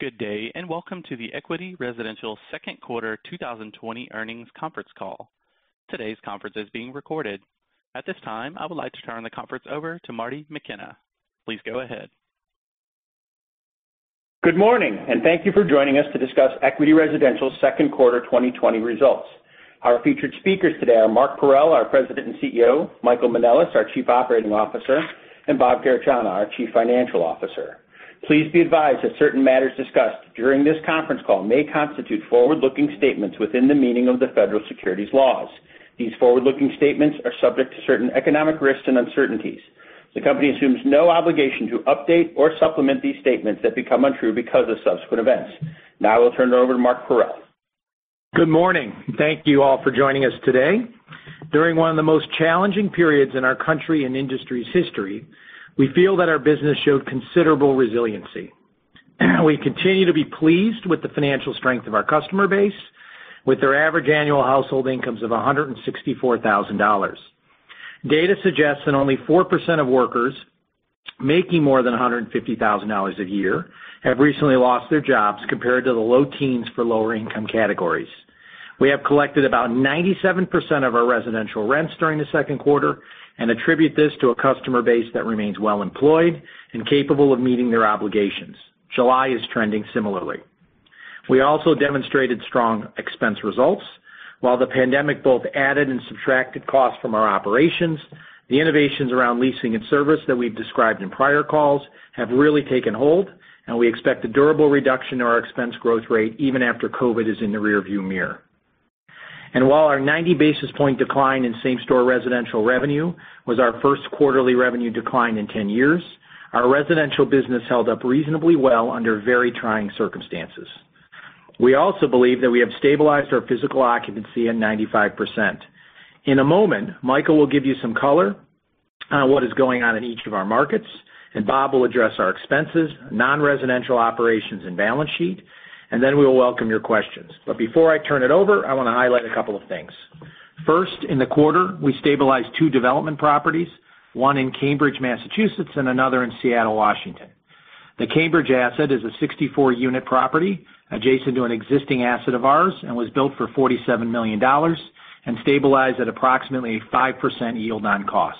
Good day. Welcome to the Equity Residential second quarter 2020 earnings conference call. Today's conference is being recorded. At this time, I would like to turn the conference over to Marty McKenna. Please go ahead. Good morning, and thank you for joining us to discuss Equity Residential second quarter 2020 results. Our featured speakers today are Mark Parrell, our President and CEO, Michael Manelis, our Chief Operating Officer, and Bob Garechana, our Chief Financial Officer. Please be advised that certain matters discussed during this conference call may constitute forward-looking statements within the meaning of the federal securities laws. These forward-looking statements are subject to certain economic risks and uncertainties. The company assumes no obligation to update or supplement these statements that become untrue because of subsequent events. I will turn it over to Mark Parrell. Good morning. Thank you all for joining us today. During one of the most challenging periods in our country and industry's history, we feel that our business showed considerable resiliency. We continue to be pleased with the financial strength of our customer base, with their average annual household incomes of $164,000. Data suggests that only 4% of workers making more than $150,000 a year have recently lost their jobs, compared to the low teens for lower income categories. We have collected about 97% of our residential rents during the second quarter and attribute this to a customer base that remains well-employed and capable of meeting their obligations. July is trending similarly. We also demonstrated strong expense results. While the pandemic both added and subtracted costs from our operations, the innovations around leasing and service that we've described in prior calls have really taken hold, we expect a durable reduction in our expense growth rate even after COVID is in the rear-view mirror. While our 90 basis point decline in same-store residential revenue was our first quarterly revenue decline in 10 years, our residential business held up reasonably well under very trying circumstances. We also believe that we have stabilized our physical occupancy at 95%. In a moment, Michael will give you some color on what is going on in each of our markets, Bob will address our expenses, non-residential operations, and balance sheet, we will welcome your questions. Before I turn it over, I want to highlight a couple of things. In the quarter, we stabilized two development properties, one in Cambridge, Massachusetts, and another in Seattle, Washington. The Cambridge asset is a 64-unit property adjacent to an existing asset of ours and was built for $47 million and stabilized at approximately 5% yield on cost.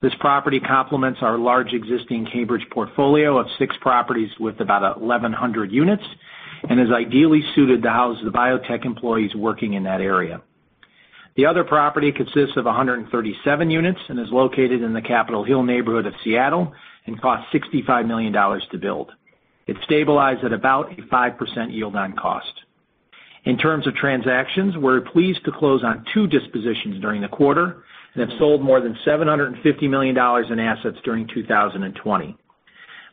This property complements our large existing Cambridge portfolio of six properties with about 1,100 units and is ideally suited to house the biotech employees working in that area. The other property consists of 137 units and is located in the Capitol Hill neighborhood of Seattle and cost $65 million to build. It stabilized at about a 5% yield on cost. In terms of transactions, we're pleased to close on two dispositions during the quarter and have sold more than $750 million in assets during 2020.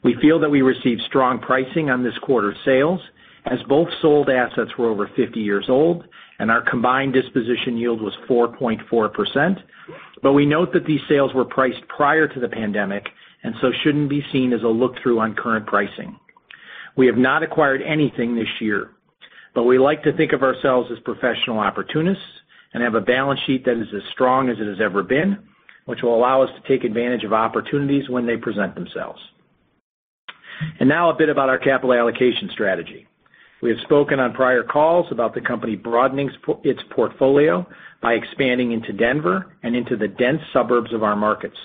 We feel that we received strong pricing on this quarter's sales as both sold assets were over 50 years old and our combined disposition yield was 4.4%. We note that these sales were priced prior to the pandemic and so shouldn't be seen as a look-through on current pricing. We have not acquired anything this year, but we like to think of ourselves as professional opportunists and have a balance sheet that is as strong as it has ever been, which will allow us to take advantage of opportunities when they present themselves. Now a bit about our capital allocation strategy. We have spoken on prior calls about the company broadening its portfolio by expanding into Denver and into the dense suburbs of our markets.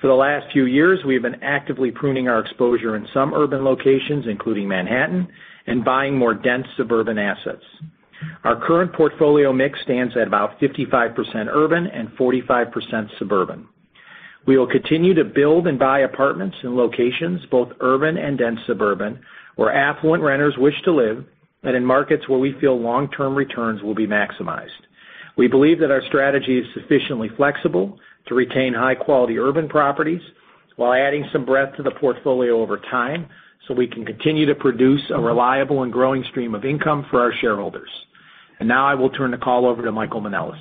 For the last few years, we have been actively pruning our exposure in some urban locations, including Manhattan, and buying more dense suburban assets. Our current portfolio mix stands at about 55% urban and 45% suburban. We will continue to build and buy apartments in locations, both urban and dense suburban, where affluent renters wish to live and in markets where we feel long-term returns will be maximized. We believe that our strategy is sufficiently flexible to retain high-quality urban properties while adding some breadth to the portfolio over time so we can continue to produce a reliable and growing stream of income for our shareholders. Now I will turn the call over to Michael Manelis.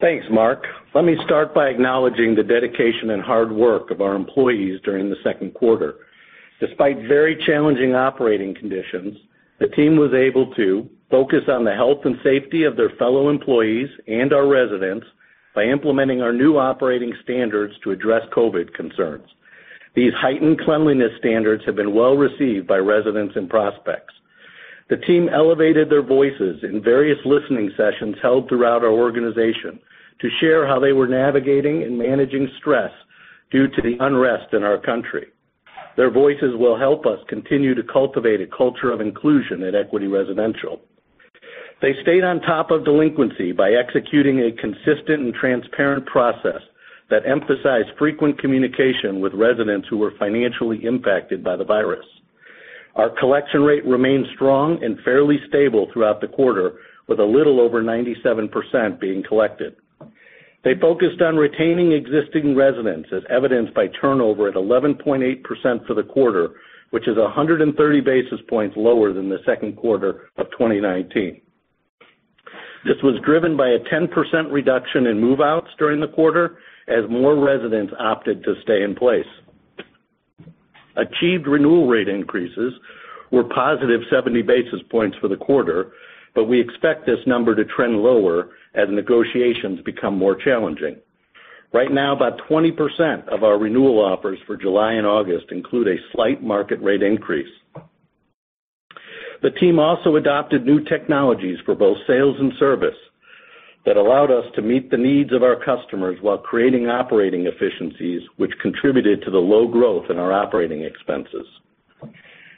Thanks, Mark. Let me start by acknowledging the dedication and hard work of our employees during the second quarter. Despite very challenging operating conditions, the team was able to focus on the health and safety of their fellow employees and our residents by implementing our new operating standards to address COVID concerns. These heightened cleanliness standards have been well received by residents and prospects. The team elevated their voices in various listening sessions held throughout our organization to share how they were navigating and managing stress due to the unrest in our country. Their voices will help us continue to cultivate a culture of inclusion at Equity Residential. They stayed on top of delinquency by executing a consistent and transparent process that emphasized frequent communication with residents who were financially impacted by the virus. Our collection rate remained strong and fairly stable throughout the quarter, with a little over 97% being collected. They focused on retaining existing residents, as evidenced by turnover at 11.8% for the quarter, which is 130 basis points lower than the second quarter of 2019. This was driven by a 10% reduction in move-outs during the quarter as more residents opted to stay in place. Achieved renewal rate increases were positive 70 basis points for the quarter, but we expect this number to trend lower as negotiations become more challenging. Right now, about 20% of our renewal offers for July and August include a slight market rate increase. The team also adopted new technologies for both sales and service that allowed us to meet the needs of our customers while creating operating efficiencies, which contributed to the low growth in our operating expenses.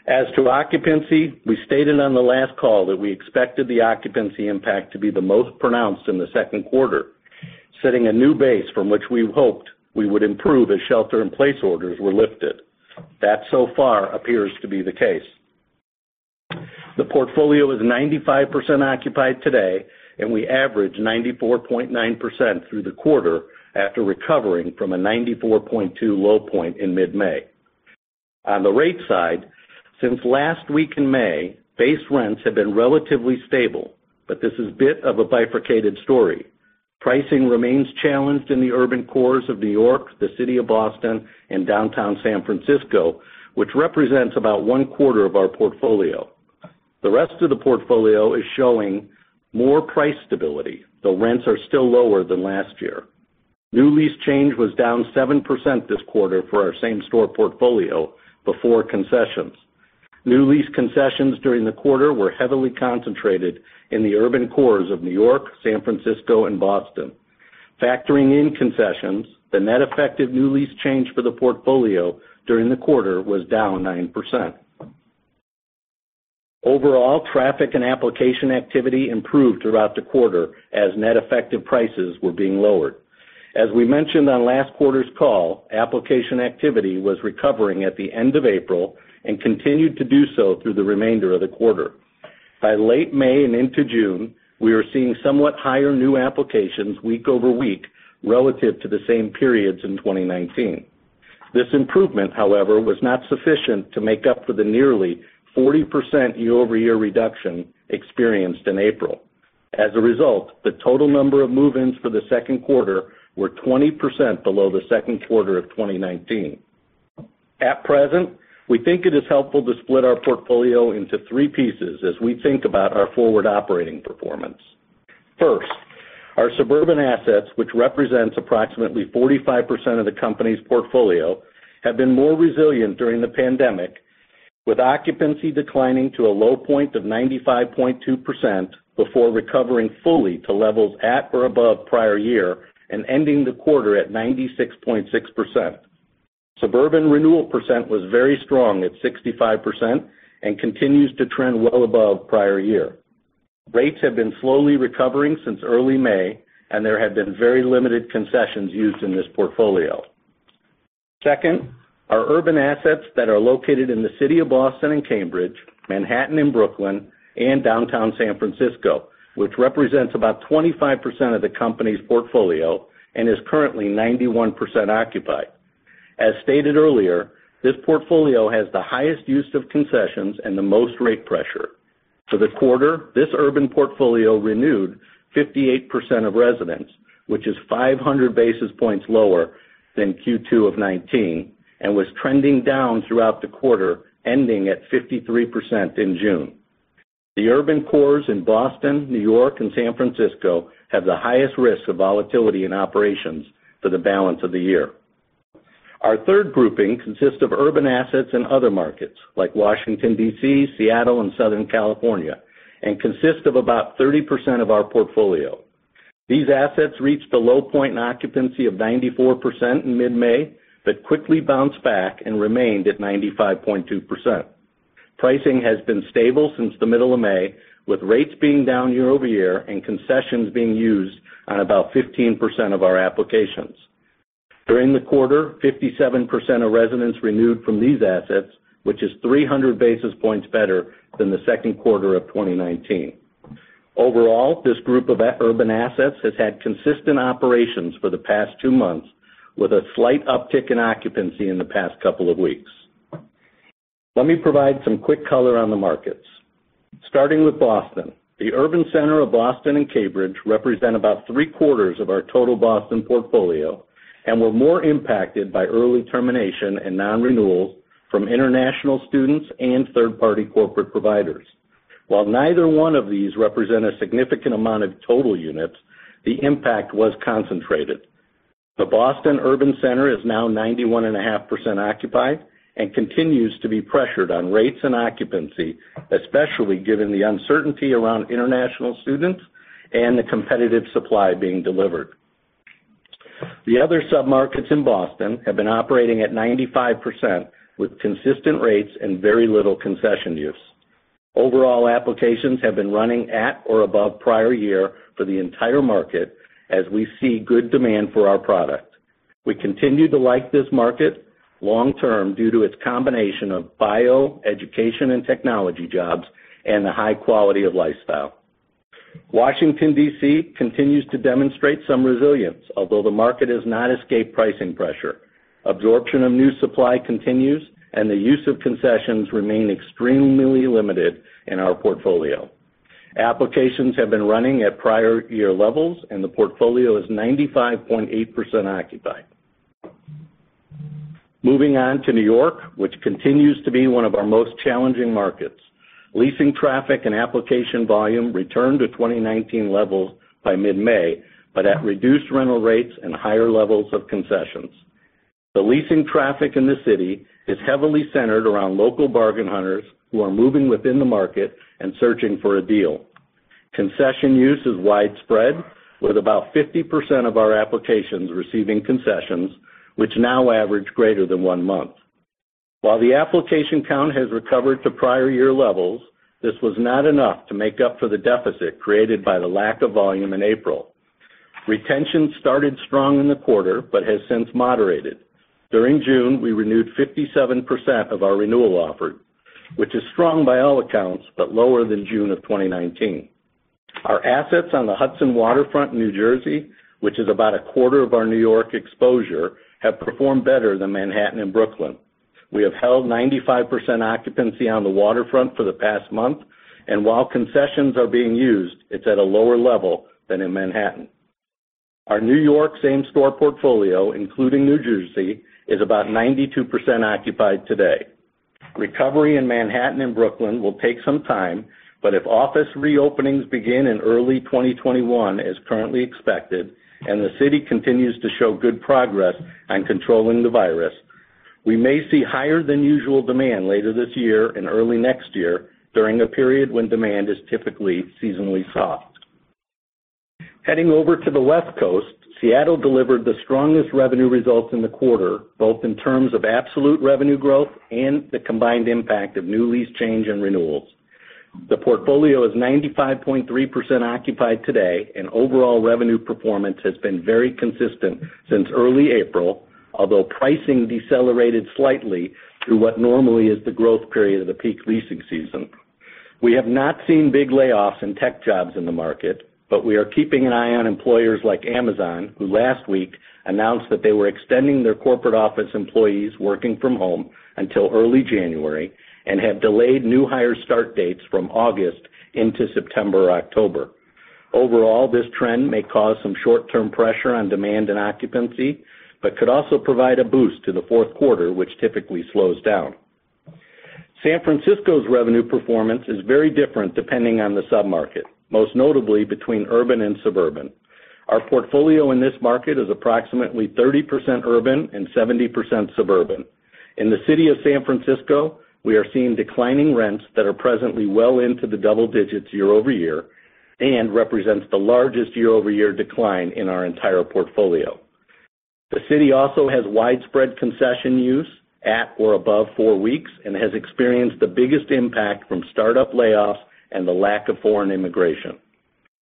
As to occupancy, we stated on the last call that we expected the occupancy impact to be the most pronounced in the second quarter, setting a new base from which we hoped we would improve as shelter-in-place orders were lifted. That so far appears to be the case. The portfolio is 95% occupied today, and we average 94.9% through the quarter after recovering from a 94.2 low point in mid-May. On the rate side, since last week in May, base rents have been relatively stable, but this is bit of a bifurcated story. Pricing remains challenged in the urban cores of New York, the city of Boston, and downtown San Francisco, which represents about one-quarter of our portfolio. The rest of the portfolio is showing more price stability, though rents are still lower than last year. New lease change was down 7% this quarter for our same store portfolio before concessions. New lease concessions during the quarter were heavily concentrated in the urban cores of New York, San Francisco, and Boston. Factoring in concessions, the net effect of new lease change for the portfolio during the quarter was down 9%. Overall, traffic and application activity improved throughout the quarter as net effective prices were being lowered. As we mentioned on last quarter's call, application activity was recovering at the end of April and continued to do so through the remainder of the quarter. By late May and into June, we are seeing somewhat higher new applications week-over-week relative to the same periods in 2019. This improvement, however, was not sufficient to make up for the nearly 40% year-over-year reduction experienced in April. As a result, the total number of move-ins for the second quarter were 20% below the second quarter of 2019. At present, we think it is helpful to split our portfolio into three pieces as we think about our forward operating performance. First, our suburban assets, which represents approximately 45% of the company's portfolio, have been more resilient during the pandemic, with occupancy declining to a low point of 95.2% before recovering fully to levels at or above prior year and ending the quarter at 96.6%. Suburban renewal percent was very strong at 65% and continues to trend well above prior year. Rates have been slowly recovering since early May, and there have been very limited concessions used in this portfolio. Our urban assets that are located in the city of Boston and Cambridge, Manhattan and Brooklyn, and downtown San Francisco, which represents about 25% of the company's portfolio and is currently 91% occupied. As stated earlier, this portfolio has the highest use of concessions and the most rate pressure. This urban portfolio renewed 58% of residents, which is 500 basis points lower than Q2 of 2019 and was trending down throughout the quarter, ending at 53% in June. The urban cores in Boston, New York, and San Francisco have the highest risk of volatility in operations for the balance of the year. Our third grouping consists of urban assets in other markets like Washington, D.C., Seattle, and Southern California, and consists of about 30% of our portfolio. These assets reached a low point in occupancy of 94% in mid-May, but quickly bounced back and remained at 95.2%. Pricing has been stable since the middle of May, with rates being down year-over-year and concessions being used on about 15% of our applications. During the quarter, 57% of residents renewed from these assets, which is 300 basis points better than the second quarter of 2019. Overall, this group of urban assets has had consistent operations for the past two months with a slight uptick in occupancy in the past couple of weeks. Let me provide some quick color on the markets. Starting with Boston. The urban center of Boston and Cambridge represent about three-quarters of our total Boston portfolio and were more impacted by early termination and non-renewals from international students and third-party corporate providers. While neither one of these represent a significant amount of total units, the impact was concentrated. The Boston urban center is now 91.5% occupied and continues to be pressured on rates and occupancy, especially given the uncertainty around international students and the competitive supply being delivered. The other sub-markets in Boston have been operating at 95% with consistent rates and very little concession use. Overall applications have been running at or above prior year for the entire market as we see good demand for our product. We continue to like this market long term due to its combination of bio, education, and technology jobs and the high quality of lifestyle. Washington, D.C. continues to demonstrate some resilience, although the market has not escaped pricing pressure. Absorption of new supply continues, and the use of concessions remain extremely limited in our portfolio. Applications have been running at prior year levels, and the portfolio is 95.8% occupied. Moving on to New York, which continues to be one of our most challenging markets. Leasing traffic and application volume returned to 2019 levels by mid-May, but at reduced rental rates and higher levels of concessions. The leasing traffic in the city is heavily centered around local bargain hunters who are moving within the market and searching for a deal. Concession use is widespread, with about 50% of our applications receiving concessions, which now average greater than one month. While the application count has recovered to prior year levels, this was not enough to make up for the deficit created by the lack of volume in April. Retention started strong in the quarter, but has since moderated. During June, we renewed 57% of our renewal offers, which is strong by all accounts, but lower than June of 2019. Our assets on the Hudson waterfront in New Jersey, which is about a quarter of our New York exposure, have performed better than Manhattan and Brooklyn. We have held 95% occupancy on the waterfront for the past month, and while concessions are being used, it's at a lower level than in Manhattan. Our New York same-store portfolio, including New Jersey, is about 92% occupied today. Recovery in Manhattan and Brooklyn will take some time, but if office reopenings begin in early 2021, as currently expected, and the city continues to show good progress on controlling the virus, we may see higher than usual demand later this year and early next year during a period when demand is typically seasonally soft. Heading over to the West Coast, Seattle delivered the strongest revenue results in the quarter, both in terms of absolute revenue growth and the combined impact of new lease change and renewals. The portfolio is 95.3% occupied today, and overall revenue performance has been very consistent since early April, although pricing decelerated slightly through what normally is the growth period of the peak leasing season. We have not seen big layoffs in tech jobs in the market, but we are keeping an eye on employers like Amazon, who last week announced that they were extending their corporate office employees working from home until early January and have delayed new hire start dates from August into September or October. Overall, this trend may cause some short-term pressure on demand and occupancy, but could also provide a boost to the fourth quarter, which typically slows down. San Francisco's revenue performance is very different depending on the submarket, most notably between urban and suburban. Our portfolio in this market is approximately 30% urban and 70% suburban. In the city of San Francisco, we are seeing declining rents that are presently well into the double digits year-over-year and represents the largest year-over-year decline in our entire portfolio. The city also has widespread concession use at or above four weeks and has experienced the biggest impact from startup layoffs and the lack of foreign immigration.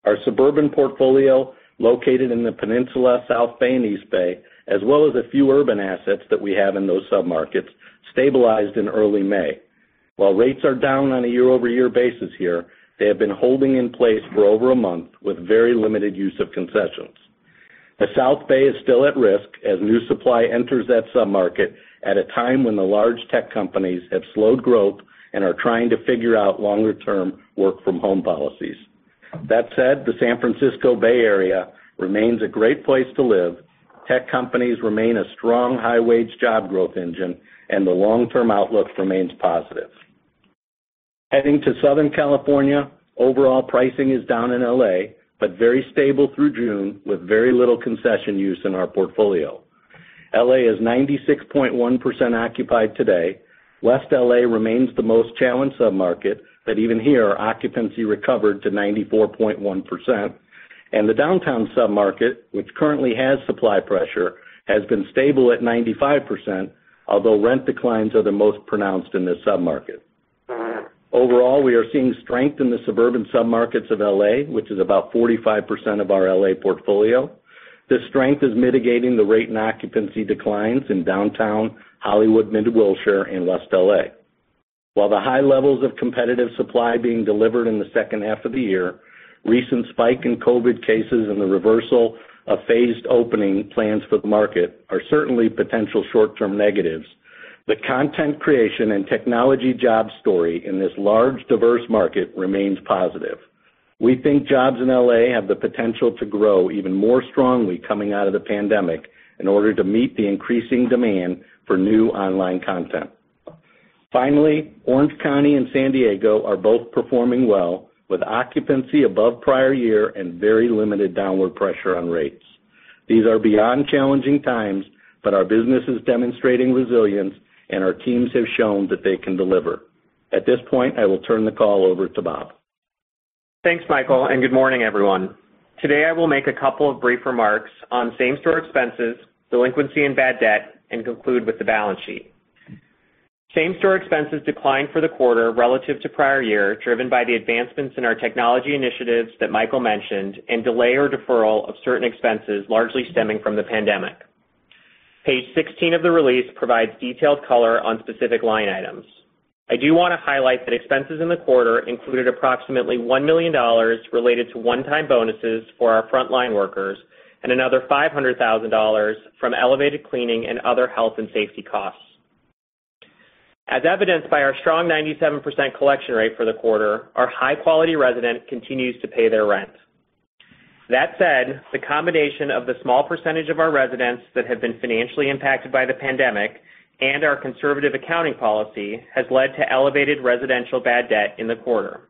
Our suburban portfolio, located in the Peninsula, South Bay, and East Bay, as well as a few urban assets that we have in those submarkets, stabilized in early May. While rates are down on a year-over-year basis here, they have been holding in place for over a month with very limited use of concessions. The South Bay is still at risk as new supply enters that submarket at a time when the large tech companies have slowed growth and are trying to figure out longer term work from home policies. That said, the San Francisco Bay Area remains a great place to live. Tech companies remain a strong, high-wage job growth engine. The long-term outlook remains positive. Heading to Southern California, overall pricing is down in L.A. Very stable through June with very little concession use in our portfolio. L.A. is 96.1% occupied today. West L.A. remains the most challenged submarket. Even here, occupancy recovered to 94.1%. The downtown submarket, which currently has supply pressure, has been stable at 95%, although rent declines are the most pronounced in this submarket. Overall, we are seeing strength in the suburban submarkets of L.A., which is about 45% of our L.A. portfolio. This strength is mitigating the rate in occupancy declines in Downtown, Hollywood, Mid-Wilshire, and West L.A. While the high levels of competitive supply being delivered in the second half of the year, recent spike in COVID cases and the reversal of phased opening plans for the market are certainly potential short-term negatives. The content creation and technology job story in this large, diverse market remains positive. We think jobs in L.A. have the potential to grow even more strongly coming out of the pandemic in order to meet the increasing demand for new online content. Finally, Orange County and San Diego are both performing well, with occupancy above prior year and very limited downward pressure on rates. These are beyond challenging times, but our business is demonstrating resilience, and our teams have shown that they can deliver. At this point, I will turn the call over to Bob. Thanks, Michael. Good morning, everyone. Today, I will make a couple of brief remarks on same-store expenses, delinquency and bad debt, and conclude with the balance sheet. Same-store expenses declined for the quarter relative to prior year, driven by the advancements in our technology initiatives that Michael mentioned and delay or deferral of certain expenses largely stemming from the pandemic. Page 16 of the release provides detailed color on specific line items. I do want to highlight that expenses in the quarter included approximately $1 million related to one-time bonuses for our frontline workers and another $500,000 from elevated cleaning and other health and safety costs. As evidenced by our strong 97% collection rate for the quarter, our high-quality resident continues to pay their rent. The combination of the small percentage of our residents that have been financially impacted by the pandemic and our conservative accounting policy has led to elevated residential bad debt in the quarter.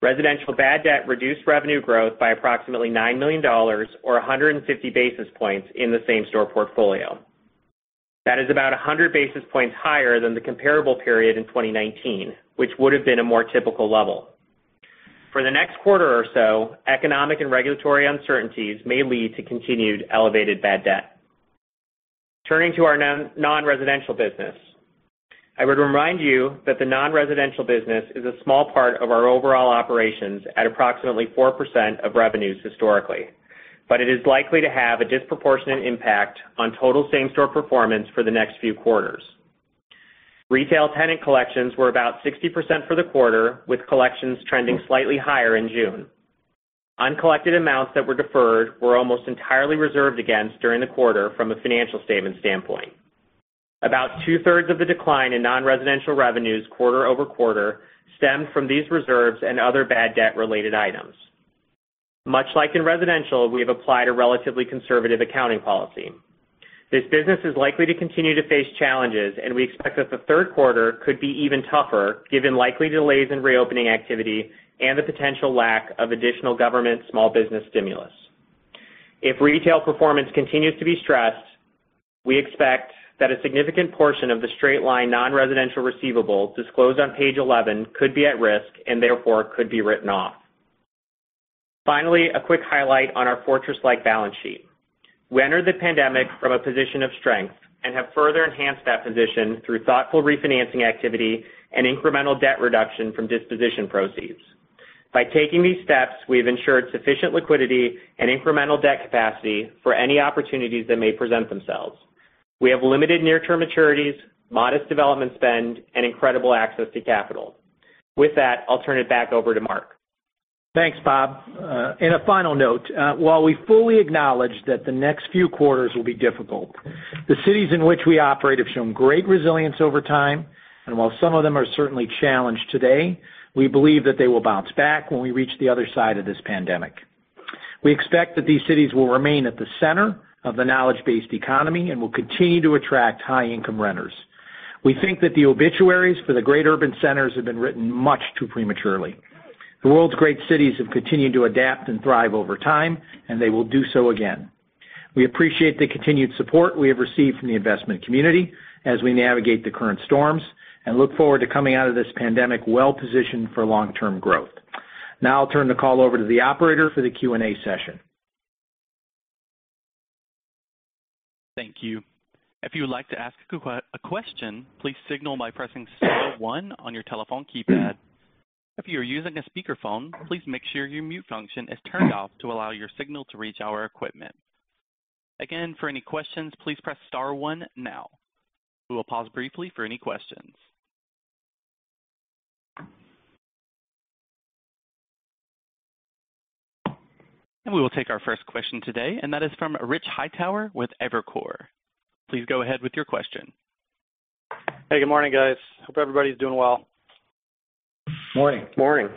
Residential bad debt reduced revenue growth by approximately $9 million or 150 basis points in the same-store portfolio. That is about 100 basis points higher than the comparable period in 2019, which would have been a more typical level. For the next quarter or so, economic and regulatory uncertainties may lead to continued elevated bad debt. Turning to our non-residential business. I would remind you that the non-residential business is a small part of our overall operations at approximately 4% of revenues historically, but it is likely to have a disproportionate impact on total same-store performance for the next few quarters. Retail tenant collections were about 60% for the quarter, with collections trending slightly higher in June. Uncollected amounts that were deferred were almost entirely reserved against during the quarter from a financial statement standpoint. About two-thirds of the decline in non-residential revenues quarter-over-quarter stemmed from these reserves and other bad debt-related items. Much like in residential, we have applied a relatively conservative accounting policy. This business is likely to continue to face challenges, we expect that the third quarter could be even tougher given likely delays in reopening activity and the potential lack of additional government small business stimulus. If retail performance continues to be stressed, we expect that a significant portion of the straight-line non-residential receivables disclosed on page 11 could be at risk and therefore could be written off. Finally, a quick highlight on our fortress-like balance sheet. We entered the pandemic from a position of strength and have further enhanced that position through thoughtful refinancing activity and incremental debt reduction from disposition proceeds. By taking these steps, we have ensured sufficient liquidity and incremental debt capacity for any opportunities that may present themselves. We have limited near-term maturities, modest development spend, and incredible access to capital. With that, I'll turn it back over to Mark. Thanks, Bob. A final note. While we fully acknowledge that the next few quarters will be difficult, the cities in which we operate have shown great resilience over time, and while some of them are certainly challenged today, we believe that they will bounce back when we reach the other side of this pandemic. We expect that these cities will remain at the center of the knowledge-based economy and will continue to attract high income renters. We think that the obituaries for the great urban centers have been written much too prematurely. The world's great cities have continued to adapt and thrive over time, and they will do so again. We appreciate the continued support we have received from the investment community as we navigate the current storms and look forward to coming out of this pandemic well-positioned for long-term growth. Now I'll turn the call over to the operator for the Q&A session. Thank you. If you would like to ask a question, please signal by pressing star one on your telephone keypad. If you are using a speakerphone, please make sure your mute function is turned off to allow your signal to reach our equipment. Again, for any questions, please press star one now. We will pause briefly for any questions. We will take our first question today, and that is from Rich Hightower with Evercore. Please go ahead with your question. Hey, good morning, guys. Hope everybody's doing well. Morning. Morning.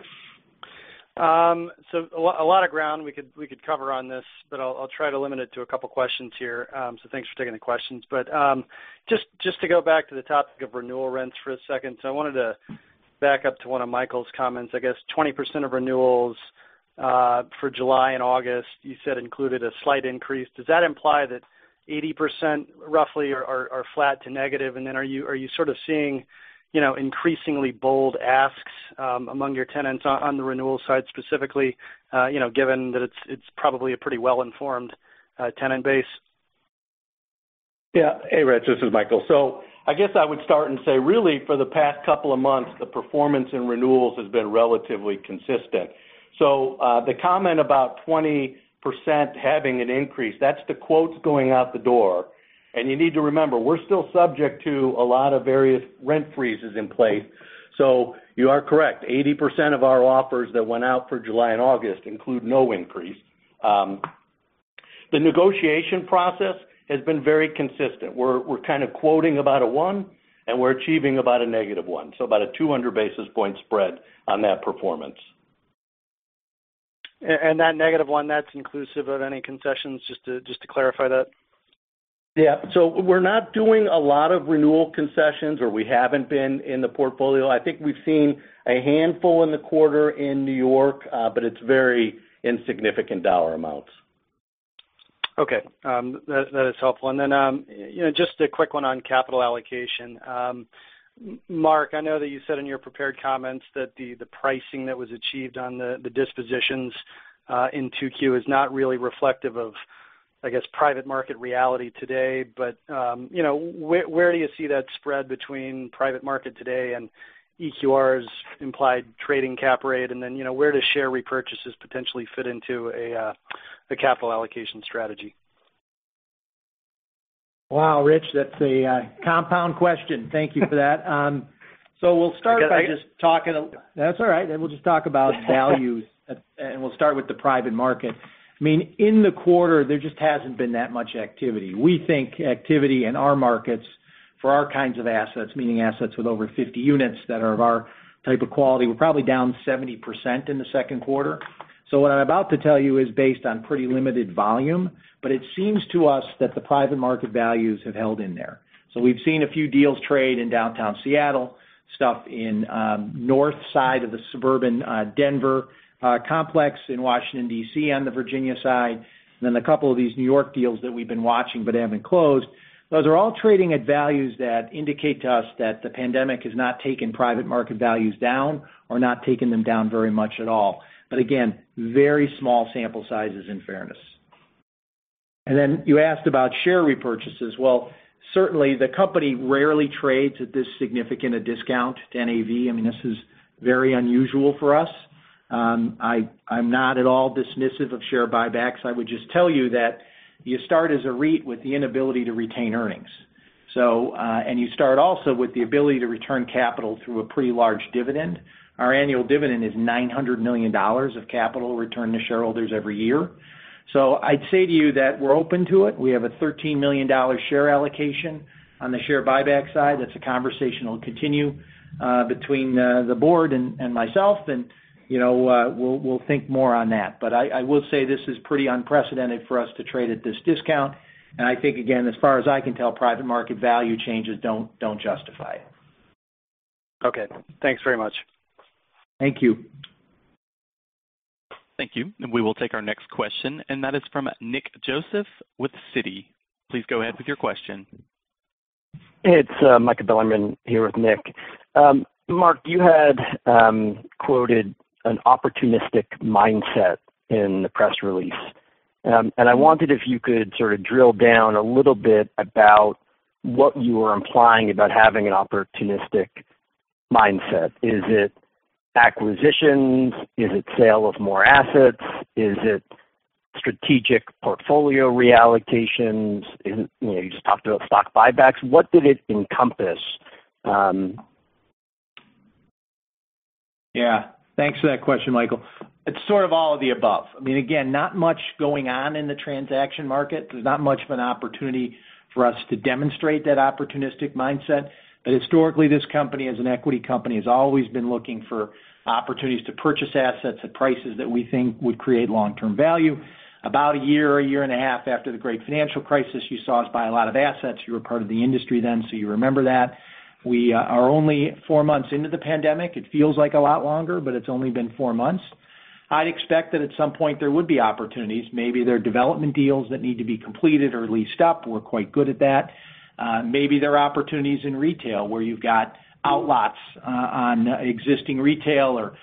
A lot of ground we could cover on this, but I'll try to limit it to a couple questions here, thanks for taking the questions. Just to go back to the topic of renewal rents for a second. I wanted to back up to one of Michael's comments. I guess 20% of renewals for July and August, you said included a slight increase. Does that imply that 80% roughly are flat to negative? Then are you sort of seeing increasingly bold asks among your tenants on the renewal side specifically, given that it's probably a pretty well-informed tenant base? Hey, Rich, this is Michael. I guess I would start and say really for the past couple of months, the performance in renewals has been relatively consistent. The comment about 20% having an increase, that's the quotes going out the door, and you need to remember, we're still subject to a lot of various rent freezes in place. You are correct, 80% of our offers that went out for July and August include no increase. The negotiation process has been very consistent. We're kind of quoting about a one, and we're achieving about a negative one. About a 200 basis point spread on that performance. That negative one, that's inclusive of any concessions, just to clarify that? Yeah. We're not doing a lot of renewal concessions, or we haven't been in the portfolio. I think we've seen a handful in the quarter in New York, but it's very insignificant dollar amounts. Okay. That is helpful. Just a quick one on capital allocation. Mark, I know that you said in your prepared comments that the pricing that was achieved on the dispositions in 2Q is not really reflective of, I guess, private market reality today, but where do you see that spread between private market today and EQR's implied trading cap rate, and then where do share repurchases potentially fit into a capital allocation strategy? Wow, Rich, that's a compound question. Thank you for that. We'll start by just talking. Because I just- That's all right. We'll just talk about values, and we'll start with the private market. In the quarter, there just hasn't been that much activity. We think activity in our markets for our kinds of assets, meaning assets with over 50 units that are of our type of quality, we're probably down 70% in the second quarter. What I'm about to tell you is based on pretty limited volume, but it seems to us that the private market values have held in there. We've seen a few deals trade in downtown Seattle, stuff in north side of the suburban Denver complex in Washington, D.C., on the Virginia side, and then a couple of these New York deals that we've been watching but haven't closed. Those are all trading at values that indicate to us that the pandemic has not taken private market values down or not taken them down very much at all. Again, very small sample sizes in fairness. You asked about share repurchases. Certainly the company rarely trades at this significant a discount to NAV. This is very unusual for us. I'm not at all dismissive of share buybacks. I would just tell you that you start as a REIT with the inability to retain earnings. You start also with the ability to return capital through a pretty large dividend. Our annual dividend is $900 million of capital returned to shareholders every year. I'd say to you that we're open to it. We have a $13 million share allocation on the share buyback side. That's a conversation that'll continue between the board and myself. We'll think more on that. I will say this is pretty unprecedented for us to trade at this discount, and I think, again, as far as I can tell, private market value changes don't justify it. Okay. Thanks very much. Thank you. Thank you. We will take our next question, and that is from Nick Joseph with Citi. Please go ahead with your question. It's Michael Bilerman here with Nick. Mark, you had quoted an opportunistic mindset in the press release. I wondered if you could sort of drill down a little bit about what you were implying about having an opportunistic mindset. Is it acquisitions? Is it sale of more assets? Is it strategic portfolio reallocations? You just talked about stock buybacks. What did it encompass? Yeah. Thanks for that question, Michael. It's sort of all of the above. Not much going on in the transaction market. There's not much of an opportunity for us to demonstrate that opportunistic mindset. Historically, this company as an equity company, has always been looking for opportunities to purchase assets at prices that we think would create long-term value. About one year or one year and a half after the great financial crisis, you saw us buy a lot of assets. You were part of the industry then, you remember that. We are only four months into the pandemic. It feels like a lot longer, it's only been four months. I'd expect that at some point there would be opportunities. Maybe they're development deals that need to be completed or leased up. We're quite good at that. Maybe they're opportunities in retail where you've got outlots on existing retail or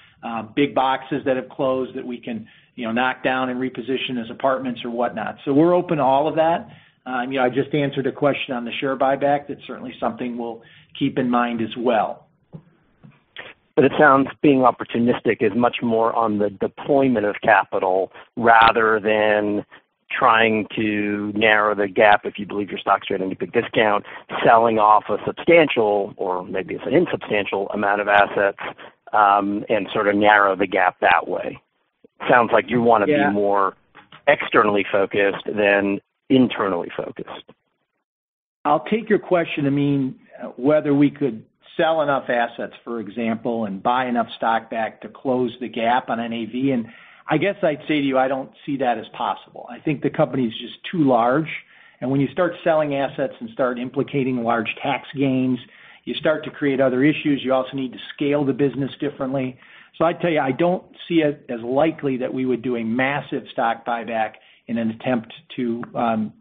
big boxes that have closed that we can knock down and reposition as apartments or whatnot. We're open to all of that. I just answered a question on the share buyback. That's certainly something we'll keep in mind as well. It sounds being opportunistic is much more on the deployment of capital rather than trying to narrow the gap if you believe your stock's trading at a big discount, selling off a substantial, or maybe it's an insubstantial amount of assets, and sort of narrow the gap that way. Yeah more externally focused than internally focused. I'll take your question to mean whether we could sell enough assets, for example, and buy enough stock back to close the gap on NAV. I guess I'd say to you, I don't see that as possible. I think the company's just too large. When you start selling assets and start implicating large tax gains, you start to create other issues. You also need to scale the business differently. I'd tell you, I don't see it as likely that we would do a massive stock buyback in an attempt to kind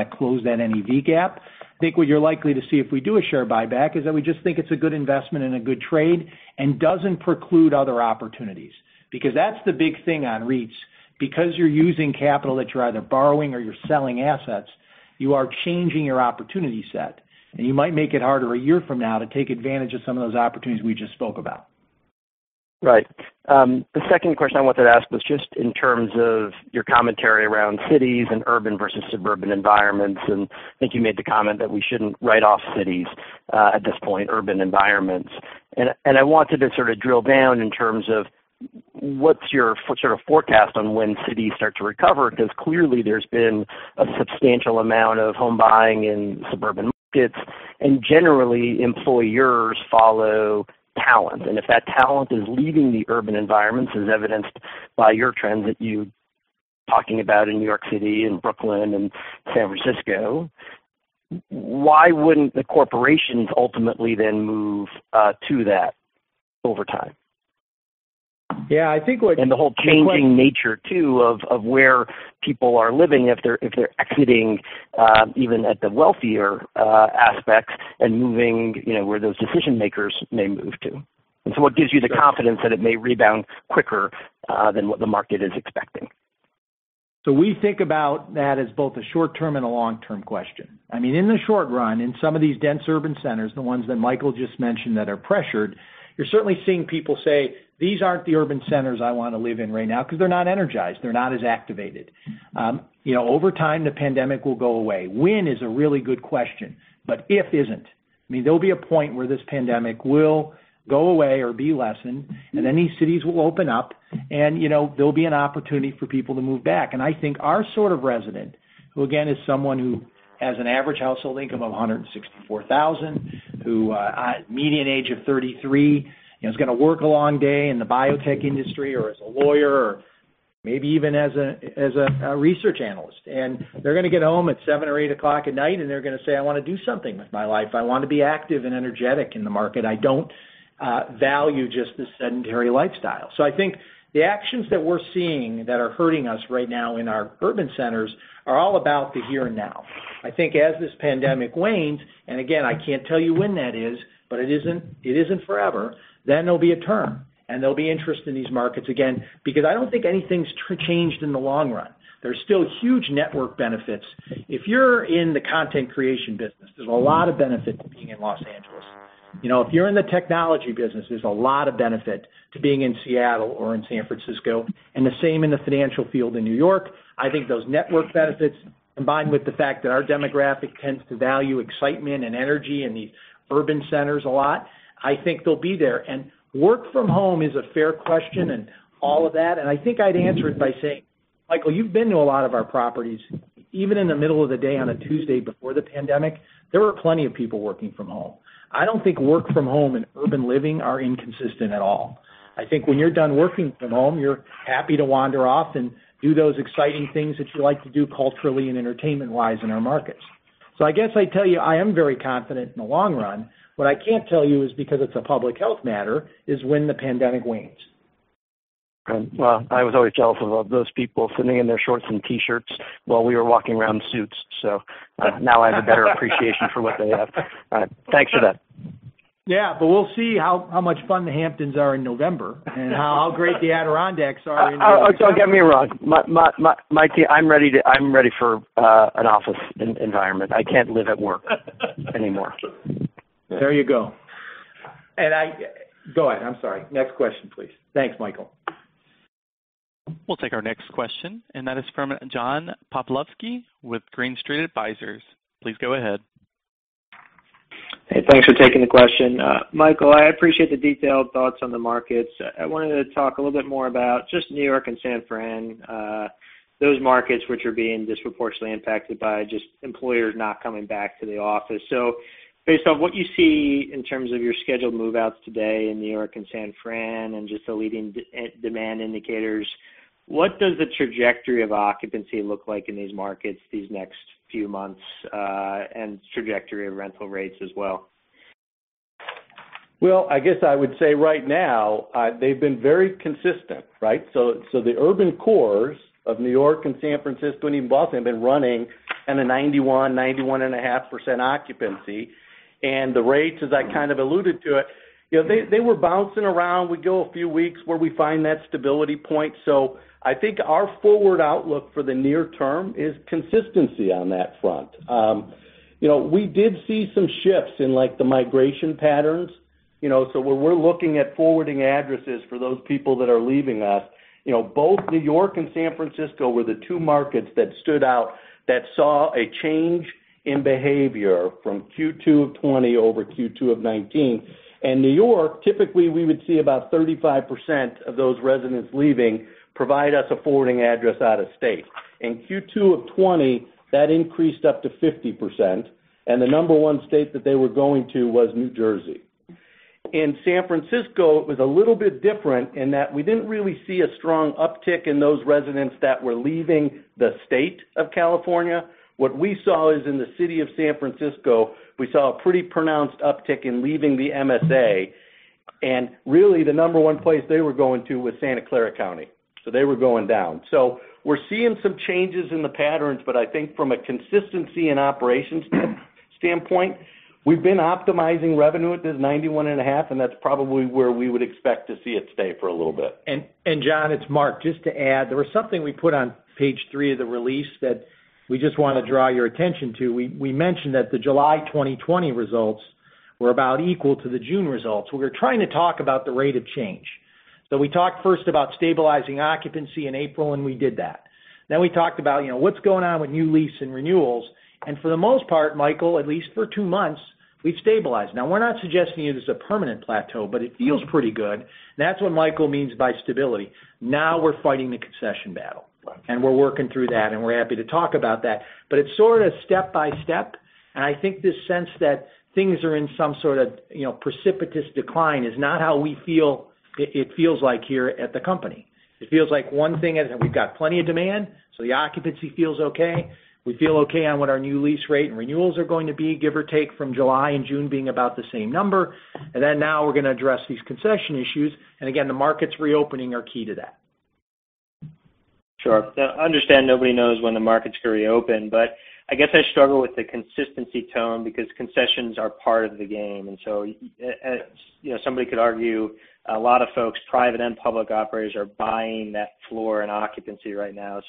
of close that NAV gap. I think what you're likely to see if we do a share buyback is that we just think it's a good investment and a good trade and doesn't preclude other opportunities. That's the big thing on REITs. You're using capital that you're either borrowing or you're selling assets, you are changing your opportunity set, and you might make it harder a year from now to take advantage of some of those opportunities we just spoke about. Right. The second question I wanted to ask was just in terms of your commentary around cities and urban versus suburban environments. I think you made the comment that we shouldn't write off cities at this point, urban environments. I wanted to sort of drill down in terms of what's your sort of forecast on when cities start to recover? Clearly there's been a substantial amount of home buying in suburban markets. Generally, employers follow talent. If that talent is leaving the urban environments, as evidenced by your trends that you talking about in New York City and Brooklyn and San Francisco, why wouldn't the corporations ultimately then move to that over time? Yeah, I think The whole changing nature, too, of where people are living, if they're exiting, even at the wealthier aspects, and moving where those decision-makers may move to. What gives you the confidence that it may rebound quicker than what the market is expecting? We think about that as both a short-term and a long-term question. In the short run, in some of these dense urban centers, the ones that Michael just mentioned that are pressured, you're certainly seeing people say, "These aren't the urban centers I want to live in right now," because they're not energized. They're not as activated. Over time, the pandemic will go away. When is a really good question. I mean, there'll be a point where this pandemic will go away or be lessened, and then these cities will open up, and there'll be an opportunity for people to move back. I think our sort of resident, who again, is someone who has an average household income of $164,000, who, median age of 33, is going to work a long day in the biotech industry, or as a lawyer, or maybe even as a research analyst. They're going to get home at 7 or 8 o'clock at night, and they're going to say, "I want to do something with my life. I want to be active and energetic in the market. I don't value just the sedentary lifestyle." I think the actions that we're seeing that are hurting us right now in our urban centers are all about the here and now. As this pandemic wanes, and again, I can't tell you when that is, but it isn't forever, then there'll be a turn. There'll be interest in these markets again, because I don't think anything's changed in the long run. There's still huge network benefits. If you're in the content creation business, there's a lot of benefit to being in Los Angeles. If you're in the technology business, there's a lot of benefit to being in Seattle or in San Francisco, and the same in the financial field in New York. I think those network benefits, combined with the fact that our demographic tends to value excitement and energy in the urban centers a lot, I think they'll be there. Work from home is a fair question and all of that, and I think I'd answer it by saying, Michael, you've been to a lot of our properties. Even in the middle of the day on a Tuesday before the pandemic, there were plenty of people working from home. I don't think work from home and urban living are inconsistent at all. I think when you're done working from home, you're happy to wander off and do those exciting things that you like to do culturally and entertainment-wise in our markets. I guess I'd tell you I am very confident in the long run. What I can't tell you is, because it's a public health matter, is when the pandemic wanes. Well, I was always jealous of those people sitting in their shorts and T-shirts while we were walking around in suits, now I have a better appreciation for what they have. All right. Thanks for that. Yeah. We'll see how much fun the Hamptons are in November, and how great the Adirondacks are in November. Oh, don't get me wrong. Mikey, I'm ready for an office environment. I can't live at work anymore. There you go. Go ahead, I'm sorry. Next question, please. Thanks, Michael. We'll take our next question, and that is from John Pawlowski with Green Street Advisors. Please go ahead. Hey, thanks for taking the question. Michael, I appreciate the detailed thoughts on the markets. I wanted to talk a little bit more about just New York and San Fran, those markets which are being disproportionately impacted by just employers not coming back to the office. Based off what you see in terms of your scheduled move-outs today in New York and San Fran and just the leading demand indicators, what does the trajectory of occupancy look like in these markets these next few months, and trajectory of rental rates as well? Well, I guess I would say right now, they've been very consistent, right? The urban cores of New York and San Francisco, and even Boston, have been running at a 91%, 91.5% occupancy. The rates, as I kind of alluded to it, they were bouncing around. We go a few weeks where we find that stability point. I think our forward outlook for the near term is consistency on that front. We did see some shifts in the migration patterns. Where we're looking at forwarding addresses for those people that are leaving us, both New York and San Francisco were the two markets that stood out that saw a change in behavior from Q2 2020 over Q2 2019. New York, typically we would see about 35% of those residents leaving provide us a forwarding address out of state. In Q2 2020, that increased up to 50%, and the number 1 state that they were going to was New Jersey. In San Francisco, it was a little bit different in that we didn't really see a strong uptick in those residents that were leaving the state of California. What we saw is in the city of San Francisco, we saw a pretty pronounced uptick in leaving the MSA. Really, the number 1 place they were going to was Santa Clara County. They were going down. We're seeing some changes in the patterns, but I think from a consistency and operations standpoint, we've been optimizing revenue at this 91.5%, and that's probably where we would expect to see it stay for a little bit. John, it's Mark. Just to add, there was something we put on page three of the release that we just want to draw your attention to. We mentioned that the July 2020 results were about equal to the June results. We were trying to talk about the rate of change. We talked first about stabilizing occupancy in April, and we did that. We talked about what's going on with new lease and renewals, and for the most part, Michael, at least for two months, we've stabilized. Now, we're not suggesting it is a permanent plateau, but it feels pretty good. That's what Michael means by stability. Now we're fighting the concession battle. Right. We're working through that, and we're happy to talk about that. It's sort of step by step, and I think this sense that things are in some sort of precipitous decline is not how it feels like here at the company. It feels like one thing, and we've got plenty of demand, so the occupancy feels okay. We feel okay on what our new lease rate and renewals are going to be, give or take from July and June being about the same number. Now we're going to address these concession issues. Again, the markets reopening are key to that. Sure. I understand nobody knows when the markets could reopen. I guess I struggle with the consistency tone because concessions are part of the game. Somebody could argue a lot of folks, private and public operators, are buying that floor in occupancy right now.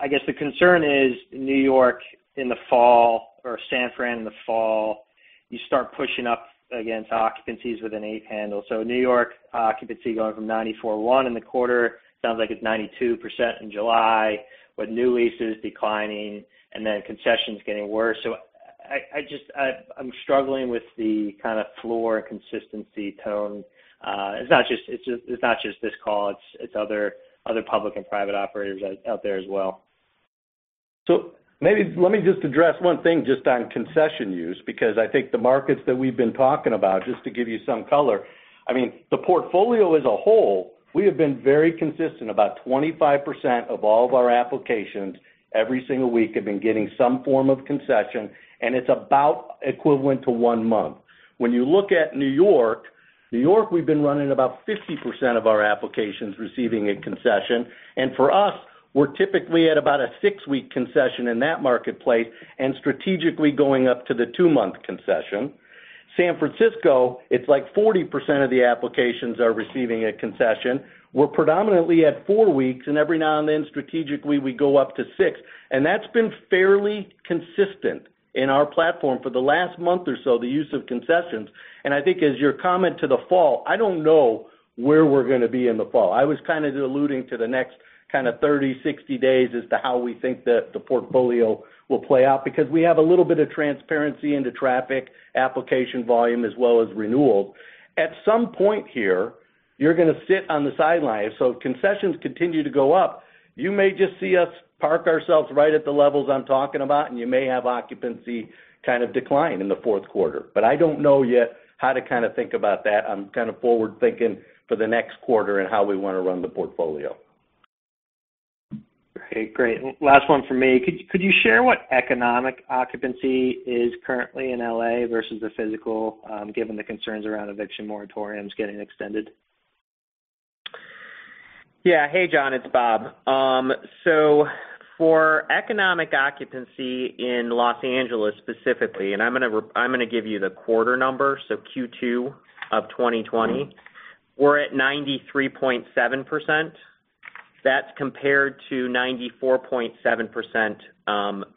I guess the concern is New York in the fall, or San Fran in the fall, you start pushing up against occupancies with an 8 handle. New York occupancy going from 94.1 in the quarter, sounds like it's 92% in July, with new leases declining and then concessions getting worse. I'm struggling with the kind of floor consistency tone. It's not just this call, it's other public and private operators out there as well. Maybe let me just address one thing just on concession use, because I think the markets that we've been talking about, just to give you some color. The portfolio as a whole, we have been very consistent. About 25% of all of our applications every single week have been getting some form of concession, and it's about equivalent to one month. When you look at New York, New York, we've been running about 50% of our applications receiving a concession. For us, we're typically at about a six-week concession in that marketplace and strategically going up to the two-month concession. San Francisco, it's like 40% of the applications are receiving a concession. We're predominantly at four weeks, and every now and then, strategically, we go up to six. That's been fairly consistent in our platform for the last month or so, the use of concessions. I think as your comment to the fall, I don't know where we're going to be in the fall. I was kind of alluding to the next kind of 30, 60 days as to how we think that the portfolio will play out because we have a little bit of transparency into traffic, application volume, as well as renewals. At some point here, you're going to sit on the sideline. If concessions continue to go up, you may just see us park ourselves right at the levels I'm talking about, and you may have occupancy kind of decline in the fourth quarter. I don't know yet how to kind of think about that. I'm kind of forward-thinking for the next quarter and how we want to run the portfolio. Okay, great. Last one from me. Could you share what economic occupancy is currently in L.A. versus the physical, given the concerns around eviction moratoriums getting extended? Yeah. Hey, John, it's Bob. For economic occupancy in L.A. specifically, and I'm going to give you the quarter number, so Q2 of 2020, we're at 93.7%. That's compared to 94.7%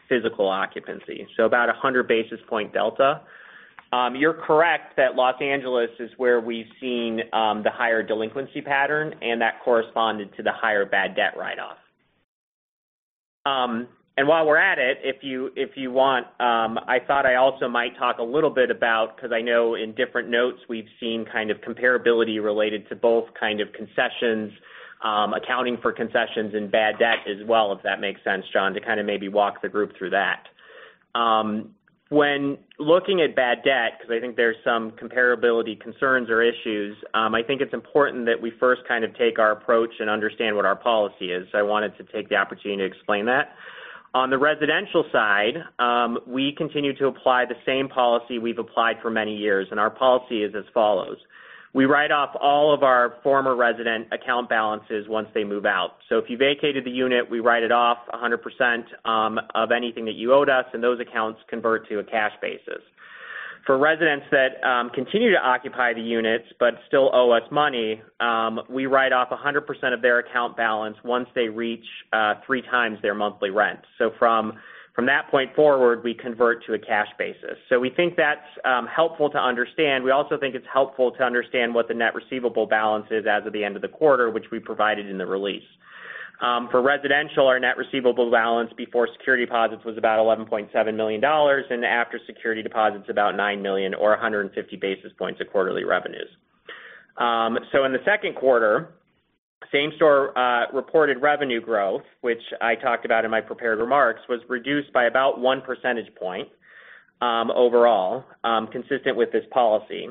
physical occupancy. About 100 basis point delta. You're correct that L.A. is where we've seen the higher delinquency pattern, and that corresponded to the higher bad debt write-off. While we're at it, if you want, I thought I also might talk a little bit about because I know in different notes we've seen kind of comparability related to both kind of concessions, accounting for concessions and bad debt as well, if that makes sense, John, to kind of maybe walk the group through that. When looking at bad debt, because I think there's some comparability concerns or issues, I think it's important that we first kind of take our approach and understand what our policy is. I wanted to take the opportunity to explain that. On the residential side, we continue to apply the same policy we've applied for many years, and our policy is as follows. We write off all of our former resident account balances once they move out. If you vacated the unit, we write it off 100% of anything that you owed us, and those accounts convert to a cash basis. For residents that continue to occupy the units but still owe us money, we write off 100% of their account balance once they reach three times their monthly rent. From that point forward, we convert to a cash basis. We think that's helpful to understand. We also think it's helpful to understand what the net receivable balance is as of the end of the quarter, which we provided in the release. For residential, our net receivable balance before security deposits was about $11.7 million, and after security deposits about $9 million, or 150 basis points of quarterly revenues. In the second quarter, same-store reported revenue growth, which I talked about in my prepared remarks, was reduced by about one percentage point overall, consistent with this policy.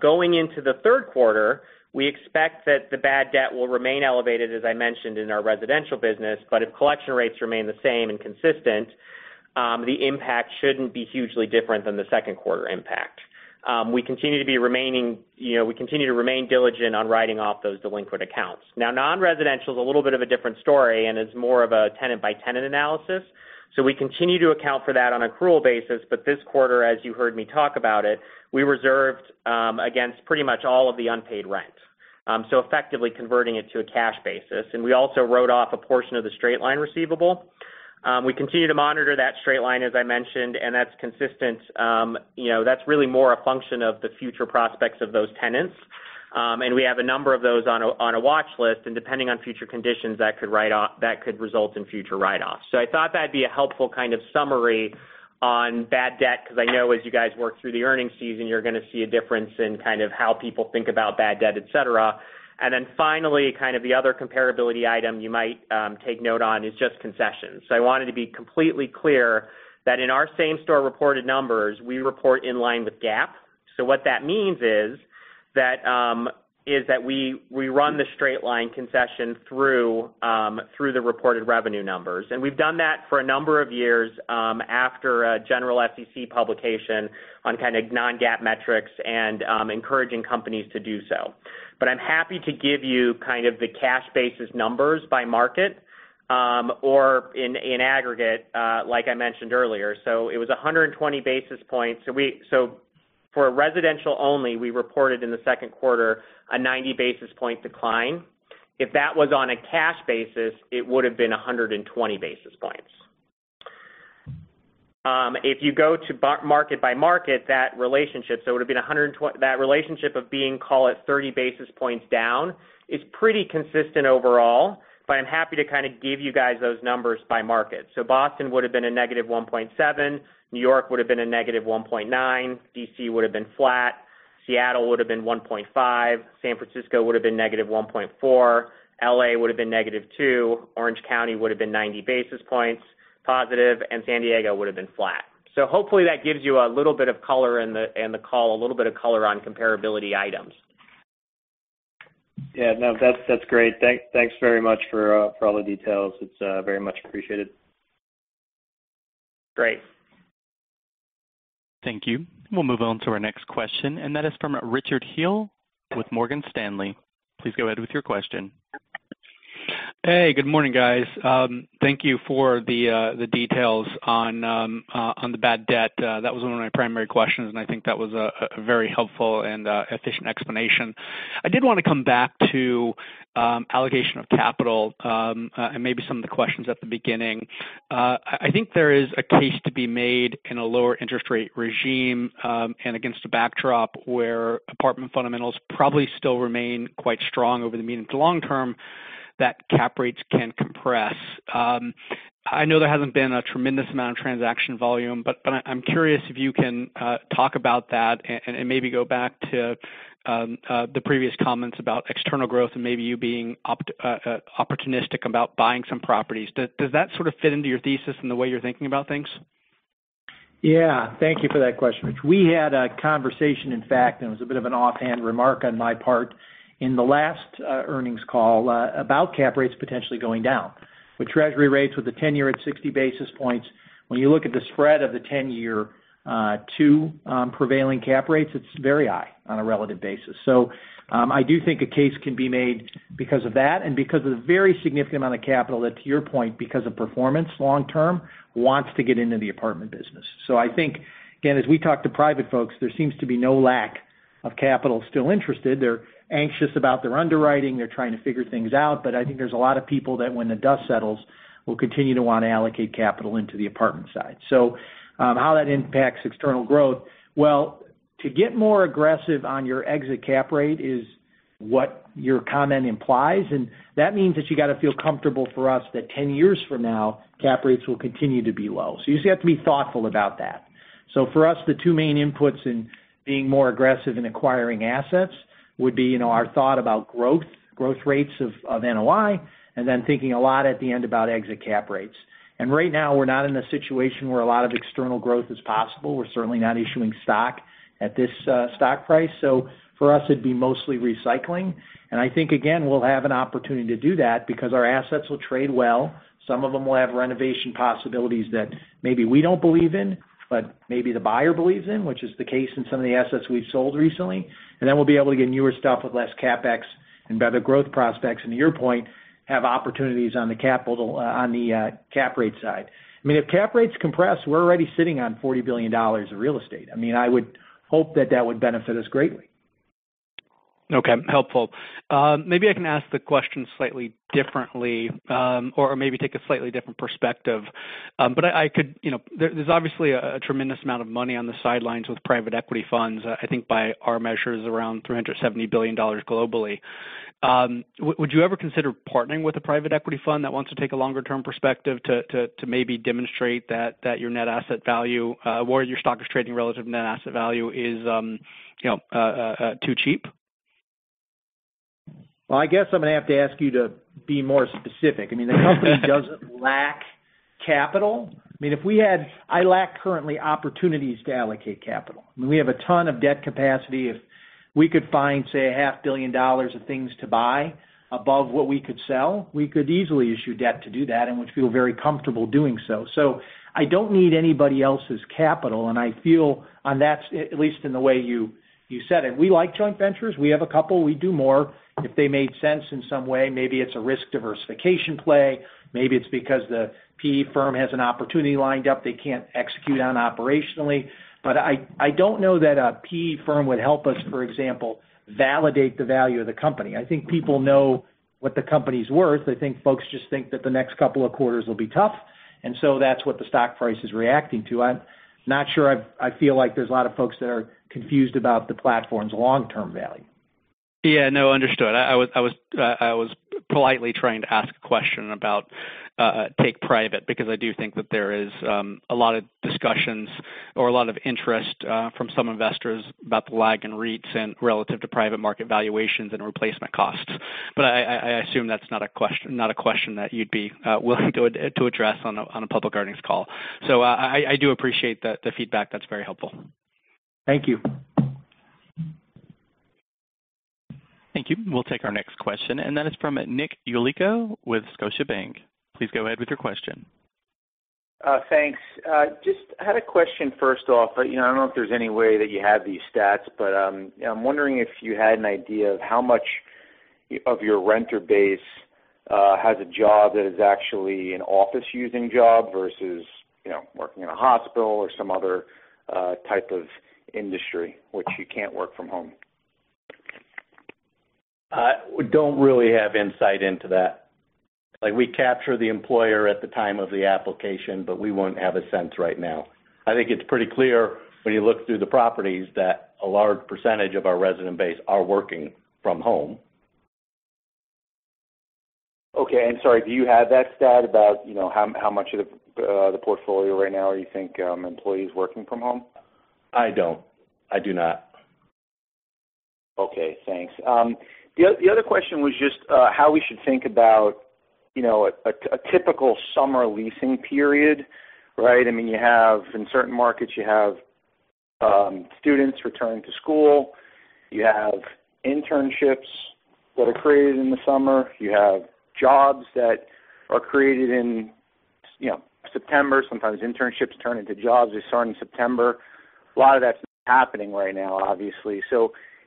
Going into the third quarter, we expect that the bad debt will remain elevated, as I mentioned, in our residential business, but if collection rates remain the same and consistent, the impact shouldn't be hugely different than the second quarter impact. We continue to remain diligent on writing off those delinquent accounts. Non-residential is a little bit of a different story and is more of a tenant-by-tenant analysis. We continue to account for that on accrual basis, but this quarter, as you heard me talk about it, we reserved against pretty much all of the unpaid rent. Effectively converting it to a cash basis. We also wrote off a portion of the straight-line receivable. We continue to monitor that straight line, as I mentioned, and that's consistent. That's really more a function of the future prospects of those tenants. We have a number of those on a watch list, and depending on future conditions, that could result in future write-offs. I thought that'd be a helpful kind of summary on bad debt, because I know as you guys work through the earnings season, you're going to see a difference in kind of how people think about bad debt, et cetera. Finally, kind of the other comparability item you might take note on is just concessions. I wanted to be completely clear that in our same-store reported numbers, we report in line with GAAP. What that means is that we run the straight-line concession through the reported revenue numbers. We've done that for a number of years after a general SEC publication on kind of non-GAAP metrics and encouraging companies to do so. I'm happy to give you kind of the cash basis numbers by market or in aggregate, like I mentioned earlier. It was 120 basis points. For residential only, we reported in the second quarter a 90-basis-point decline. If that was on a cash basis, it would have been 120 basis points. If you go to market by market, that relationship, it would've been 120. That relationship of being, call it, 30 basis points down is pretty consistent overall. I'm happy to give you guys those numbers by market. Boston would've been a -1.7, New York would've been a -1.9, D.C. would've been flat, Seattle would've been 1.5, San Francisco would've been -1.4, L.A. would've been -2, Orange County would've been 90 basis points positive, and San Diego would've been flat. Hopefully that gives you a little bit of color in the call, a little bit of color on comparability items. Yeah. No, that's great. Thanks very much for all the details. It's very much appreciated. Great. Thank you. We'll move on to our next question, and that is from Richard Hill with Morgan Stanley. Please go ahead with your question. Hey, good morning, guys. Thank you for the details on the bad debt. That was one of my primary questions, and I think that was a very helpful and efficient explanation. I did want to come back to allocation of capital, and maybe some of the questions at the beginning. I think there is a case to be made in a lower interest rate regime, and against a backdrop where apartment fundamentals probably still remain quite strong over the medium to long term, that cap rates can compress. I know there hasn't been a tremendous amount of transaction volume, but I'm curious if you can talk about that and maybe go back to the previous comments about external growth and maybe you being opportunistic about buying some properties. Does that sort of fit into your thesis and the way you're thinking about things? Yeah. Thank you for that question, Rich. We had a conversation, in fact. It was a bit of an offhand remark on my part in the last earnings call, about cap rates potentially going down. With treasury rates with a 10-year at 60 basis points, when you look at the spread of the 10-year to prevailing cap rates, it's very high on a relative basis. I do think a case can be made because of that and because of the very significant amount of capital that, to your point, because of performance long term, wants to get into the apartment business. I think, again, as we talk to private folks, there seems to be no lack of capital still interested. They're anxious about their underwriting. They're trying to figure things out. I think there's a lot of people that, when the dust settles, will continue to want to allocate capital into the apartment side. How that impacts external growth, well, to get more aggressive on your exit cap rate is what your comment implies, and that means that you got to feel comfortable for us that 10 years from now, cap rates will continue to be low. You just have to be thoughtful about that. For us, the two main inputs in being more aggressive in acquiring assets would be our thought about growth rates of NOI, and then thinking a lot at the end about exit cap rates. Right now, we're not in a situation where a lot of external growth is possible. We're certainly not issuing stock at this stock price. For us, it'd be mostly recycling. I think, again, we'll have an opportunity to do that because our assets will trade well. Some of them will have renovation possibilities that maybe we don't believe in, but maybe the buyer believes in, which is the case in some of the assets we've sold recently. Then we'll be able to get newer stuff with less CapEx and better growth prospects, and to your point, have opportunities on the cap rate side. If cap rates compress, we're already sitting on $40 billion of real estate. I would hope that that would benefit us greatly. Okay. Helpful. Maybe I can ask the question slightly differently, or maybe take a slightly different perspective. There's obviously a tremendous amount of money on the sidelines with private equity funds, I think by our measures, around $370 billion globally. Would you ever consider partnering with a private equity fund that wants to take a longer-term perspective to maybe demonstrate that your net asset value, or your stock is trading relative net asset value is too cheap? Well, I guess I'm going to have to ask you to be more specific. The company doesn't lack capital. I lack currently opportunities to allocate capital. We have a ton of debt capacity. If we could find, say, a half billion dollars of things to buy above what we could sell, we could easily issue debt to do that, and would feel very comfortable doing so. I don't need anybody else's capital, and I feel on that, at least in the way you said it. We like joint ventures. We have a couple. We'd do more if they made sense in some way. Maybe it's a risk diversification play. Maybe it's because the PE firm has an opportunity lined up they can't execute on operationally. I don't know that a PE firm would help us, for example, validate the value of the company. I think people know what the company's worth. I think folks just think that the next couple of quarters will be tough, and so that's what the stock price is reacting to. I'm not sure I feel like there's a lot of folks that are confused about the platform's long-term value. Yeah, no, understood. I was politely trying to ask a question about take private, because I do think that there is a lot of discussions or a lot of interest from some investors about the lag in REITs and relative to private market valuations and replacement costs. I assume that's not a question that you'd be willing to address on a public earnings call. I do appreciate the feedback. That's very helpful. Thank you. Thank you. We'll take our next question, and that is from Nick Yulico with Scotiabank. Please go ahead with your question. Thanks. Just had a question first off. I don't know if there's any way that you have these stats, but I'm wondering if you had an idea of how much of your renter base has a job that is actually an office-using job versus working in a hospital or some other type of industry which you can't work from home. We don't really have insight into that. We capture the employer at the time of the application, we won't have a sense right now. I think it's pretty clear when you look through the properties that a large percentage of our resident base are working from home. Okay. Sorry, do you have that stat about how much of the portfolio right now you think employees working from home? I don't. I do not. Okay, thanks. The other question was just how we should think about a typical summer leasing period, right? In certain markets, you have students returning to school, you have internships that are created in the summer, you have jobs that are created in September. Sometimes internships turn into jobs that start in September. A lot of that's not happening right now, obviously.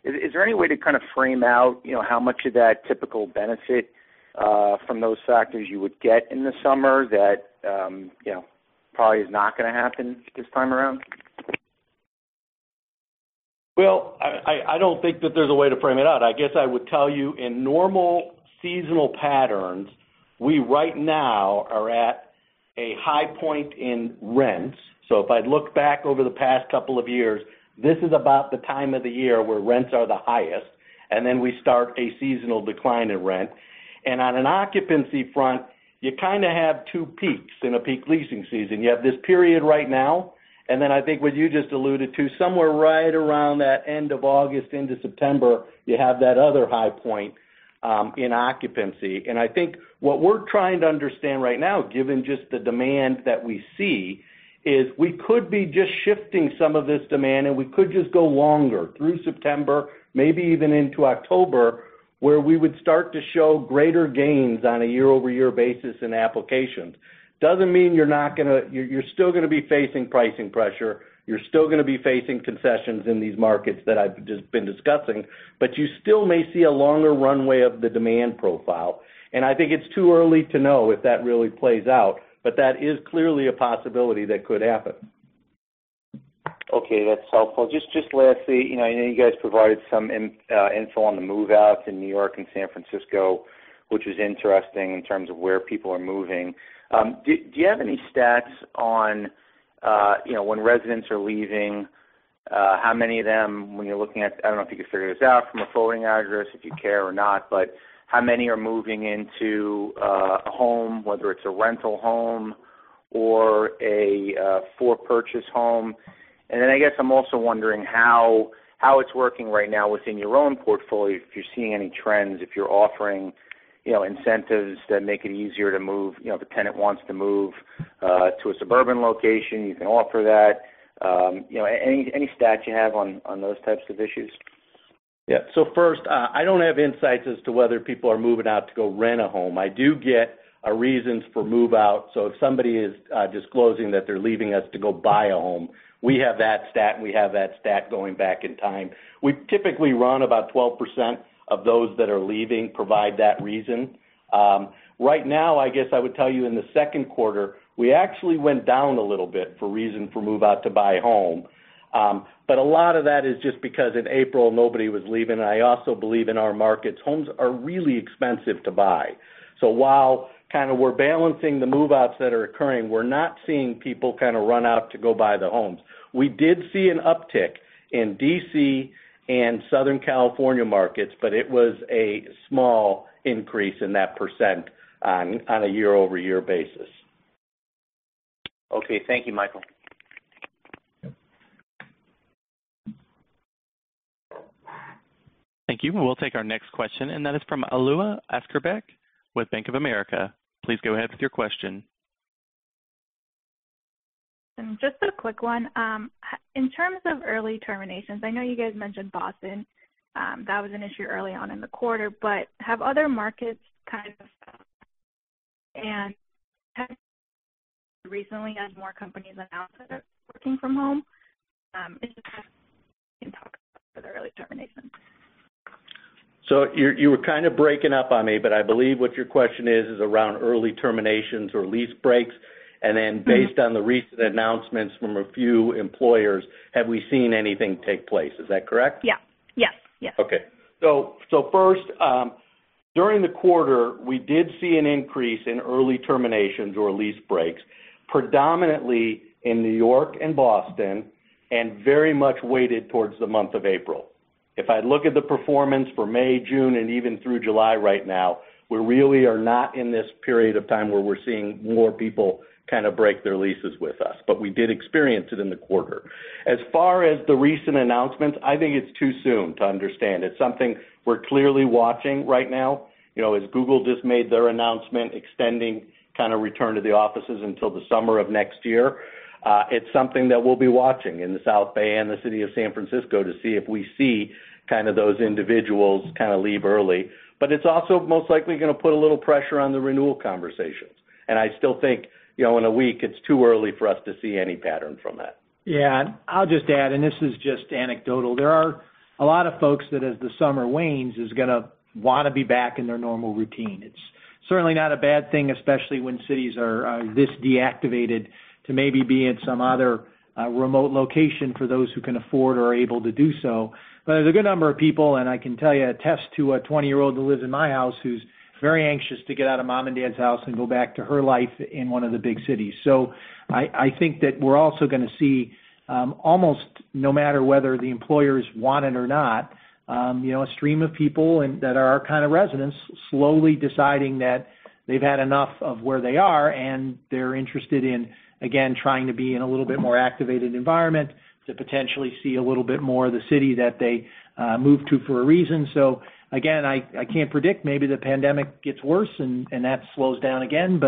Is there any way to kind of frame out how much of that typical benefit from those factors you would get in the summer that probably is not going to happen this time around? Well, I don't think that there's a way to frame it out. I guess I would tell you in normal seasonal patterns, we right now are at a high point in rents. If I look back over the past couple of years, this is about the time of the year where rents are the highest, and then we start a seasonal decline in rent. On an occupancy front, you kind of have two peaks in a peak leasing season. You have this period right now, and then I think what you just alluded to, somewhere right around that end of August into September, you have that other high point in occupancy. I think what we're trying to understand right now, given just the demand that we see, is we could be just shifting some of this demand, and we could just go longer, through September, maybe even into October, where we would start to show greater gains on a year-over-year basis in applications. Doesn't mean you're still going to be facing pricing pressure. You're still going to be facing concessions in these markets that I've just been discussing, but you still may see a longer runway of the demand profile. I think it's too early to know if that really plays out. That is clearly a possibility that could happen. Okay, that's helpful. Lastly, I know you guys provided some info on the move-outs in New York and San Francisco, which is interesting in terms of where people are moving. Do you have any stats on when residents are leaving, how many of them, when you're looking at I don't know if you could figure this out from a forwarding address, if you care or not, but how many are moving into a home, whether it's a rental home or a for-purchase home? I guess I'm also wondering how it's working right now within your own portfolio, if you're seeing any trends, if you're offering incentives that make it easier to move. If a tenant wants to move to a suburban location, you can offer that. Any stat you have on those types of issues. Yeah. First, I don't have insights as to whether people are moving out to go rent a home. I do get reasons for move-out. If somebody is disclosing that they're leaving us to go buy a home, we have that stat, and we have that stat going back in time. We typically run about 12% of those that are leaving provide that reason. Right now, I guess I would tell you in the second quarter, we actually went down a little bit for reason for move-out to buy a home. A lot of that is just because in April, nobody was leaving. I also believe in our markets, homes are really expensive to buy. While kind of we're balancing the move-outs that are occurring, we're not seeing people kind of run out to go buy the homes. We did see an uptick in D.C. and Southern California markets, but it was a small increase in that percent on a year-over-year basis. Okay. Thank you, Michael. Thank you. That is from Alua Askarbek with Bank of America. Please go ahead with your question. Just a quick one. In terms of early terminations, I know you guys mentioned Boston. That was an issue early on in the quarter. Have other markets kind of, recently, as more companies announce that they're working from home, it's just kind of an early termination? You were kind of breaking up on me, but I believe what your question is around early terminations or lease breaks, based on the recent announcements from a few employers, have we seen anything take place? Is that correct? Yeah. First, during the quarter, we did see an increase in early terminations or lease breaks, predominantly in New York and Boston, and very much weighted towards the month of April. If I look at the performance for May, June, and even through July right now, we really are not in this period of time where we're seeing more people kind of break their leases with us. We did experience it in the quarter. As far as the recent announcements, I think it's too soon to understand. It's something we're clearly watching right now. As Google just made their announcement extending kind of return to the offices until the summer of next year. It's something that we'll be watching in the South Bay and the city of San Francisco to see if we see kind of those individuals kind of leave early. It's also most likely going to put a little pressure on the renewal conversations, and I still think in a week, it's too early for us to see any pattern from that. Yeah. I'll just add, and this is just anecdotal. There are a lot of folks that as the summer wanes is going to want to be back in their normal routine. It's certainly not a bad thing, especially when cities are this deactivated, to maybe be in some other remote location for those who can afford or are able to do so. There's a good number of people, and I can tell you, attest to a 20-year-old who lives in my house who's very anxious to get out of mom and dad's house and go back to her life in one of the big cities. I think that we're also going to see, almost no matter whether the employers want it or not, a stream of people that are our kind of residents slowly deciding that they've had enough of where they are, and they're interested in, again, trying to be in a little bit more activated environment to potentially see a little bit more of the city that they moved to for a reason. Again, I can't predict. Maybe the pandemic gets worse and that slows down again.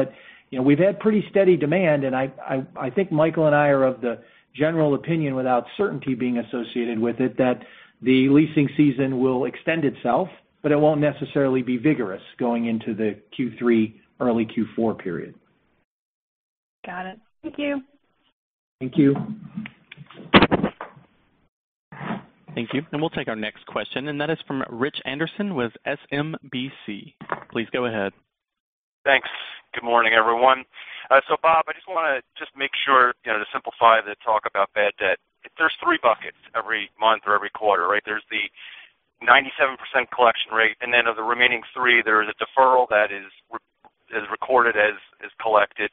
We've had pretty steady demand, and I think Michael and I are of the general opinion, without certainty being associated with it, that the leasing season will extend itself, but it won't necessarily be vigorous going into the Q3, early Q4 period. Got it. Thank you. Thank you. Thank you. We'll take our next question, and that is from Rich Anderson with SMBC. Please go ahead. Thanks. Good morning, everyone. Bob, I just want to make sure to simplify the talk about bad debt. There's three buckets every month or every quarter, right? There's the 97% collection rate, and then of the remaining three, there is a deferral that is recorded as collected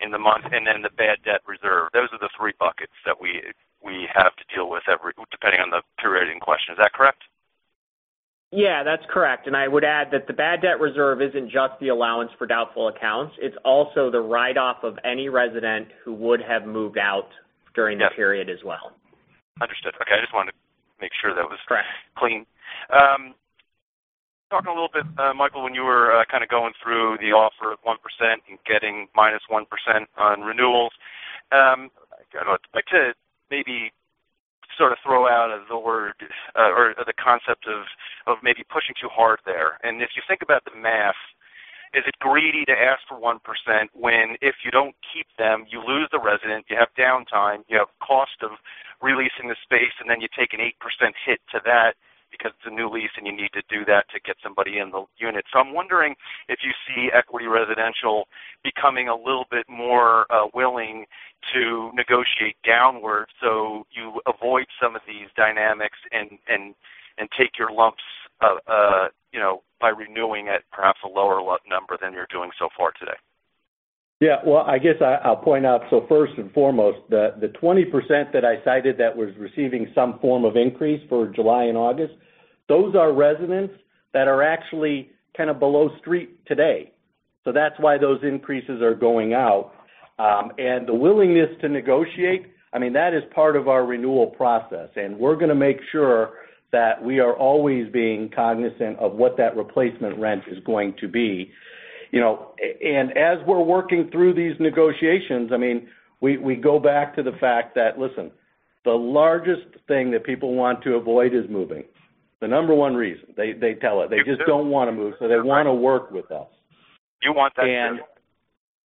in the month, and then the bad debt reserve. Those are the three buckets that we have to deal with depending on the quarter in question. Is that correct? Yeah, that's correct. I would add that the bad debt reserve isn't just the allowance for doubtful accounts, it's also the write-off of any resident who would have moved out during the period as well. Understood. Okay. I just wanted to make sure that was- Correct clean. Talking a little bit, Michael, when you were kind of going through the offer of 1% and getting -1% on renewals. I'd like to maybe sort of throw out the word or the concept of maybe pushing too hard there. If you think about the math, is it greedy to ask for 1% when if you don't keep them, you lose the resident, you have downtime, you have cost of re-leasing the space, and then you take an 8% hit to that because it's a new lease and you need to do that to get somebody in the unit. I'm wondering if you see Equity Residential becoming a little bit more willing to negotiate downward so you avoid some of these dynamics and take your lumps by renewing at perhaps a lower number than you're doing so far today. Yeah. Well, I guess I'll point out. First and foremost, the 20% that I cited that was receiving some form of increase for July and August, those are residents that are actually kind of below street today. That's why those increases are going out. The willingness to negotiate, that is part of our renewal process. We're going to make sure that we are always being cognizant of what that replacement rent is going to be. As we're working through these negotiations, we go back to the fact that, listen, the largest thing that people want to avoid is moving. The number one reason. They tell it. They just don't want to move, so they want to work with us. You want that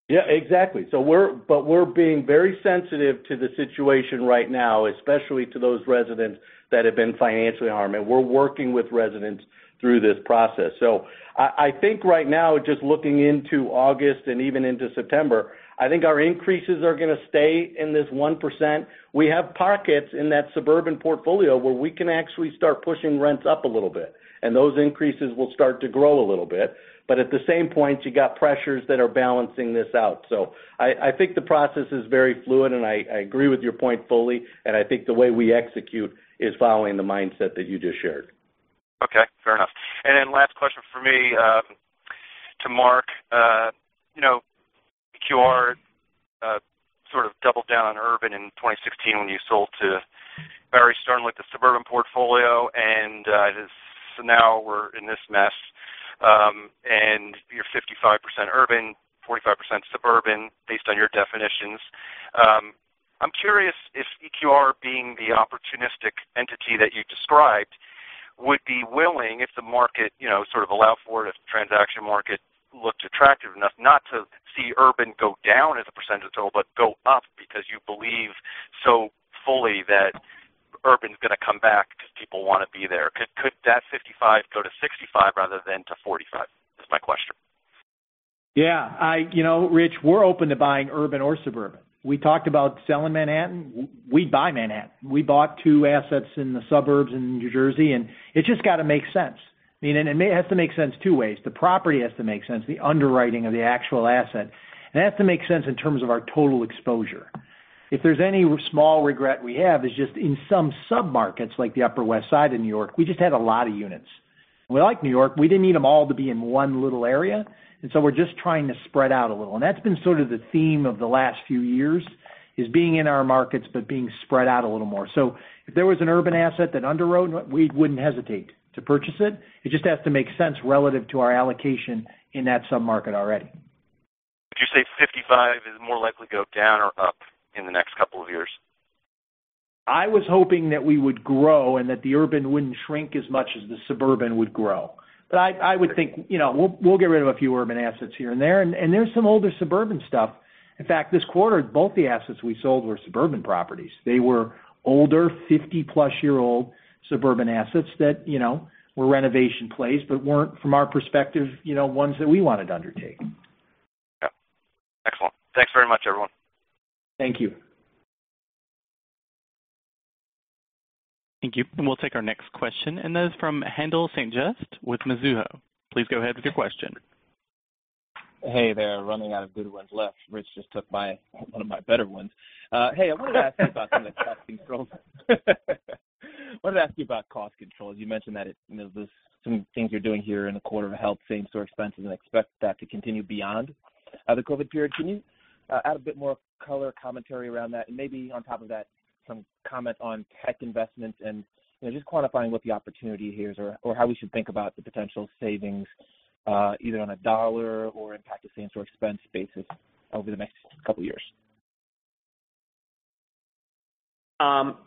too. Yeah, exactly. We're being very sensitive to the situation right now, especially to those residents that have been financially harmed, and we're working with residents through this process. I think right now, just looking into August and even into September, I think our increases are going to stay in this 1%. We have pockets in that suburban portfolio where we can actually start pushing rents up a little bit, and those increases will start to grow a little bit. At the same point, you got pressures that are balancing this out. I think the process is very fluid, and I agree with your point fully, and I think the way we execute is following the mindset that you just shared. Okay. Fair enough. Then last question from me to Mark. EQR sort of doubled down on urban in 2016 when you sold to Barry Sternlicht the suburban portfolio, now we're in this mess. You're 55% urban, 45% suburban based on your definitions. I'm curious if EQR being the opportunistic entity that you described, would be willing if the market sort of allow for it, if the transaction market looked attractive enough, not to see urban go down as a percentage at all, but go up because you believe so fully that urban's going to come back because people want to be there. Could that 55% go to 65% rather than to 45%? That's my question. Yeah. Rich, we're open to buying urban or suburban. We talked about selling Manhattan. We'd buy Manhattan. We bought two assets in the suburbs in New Jersey, and it just got to make sense. It has to make sense two ways. The property has to make sense, the underwriting of the actual asset. It has to make sense in terms of our total exposure. If there's any small regret we have is just in some sub-markets, like the Upper West Side of New York, we just had a lot of units. We like New York. We didn't need them all to be in one little area, and so we're just trying to spread out a little. That's been sort of the theme of the last few years, is being in our markets but being spread out a little more. If there was an urban asset that underwrote, we wouldn't hesitate to purchase it. It just has to make sense relative to our allocation in that sub-market already. Would you say 55 is more likely to go down or up in the next couple of years? I was hoping that we would grow and that the urban wouldn't shrink as much as the suburban would grow. I would think we'll get rid of a few urban assets here and there. There's some older suburban stuff. In fact, this quarter, both the assets we sold were suburban properties. They were older, 50+ year old suburban assets that were renovation plays, but weren't, from our perspective, ones that we wanted to undertake. Yeah. Excellent. Thanks very much, everyone. Thank you. Thank you. We'll take our next question, and that is from Haendel St. Juste with Mizuho. Please go ahead with your question. Hey there. Running out of good ones left. Rich just took one of my better ones. Hey, I wanted to ask you about some of the cost controls. Wanted to ask you about cost controls. You mentioned that there's some things you're doing here in the quarter to help same-store expenses, and expect that to continue beyond the COVID period. Can you add a bit more color commentary around that? Maybe on top of that, some comment on tech investments and just quantifying what the opportunity here is or how we should think about the potential savings, either on a dollar or impact to same-store expense basis over the next couple of years.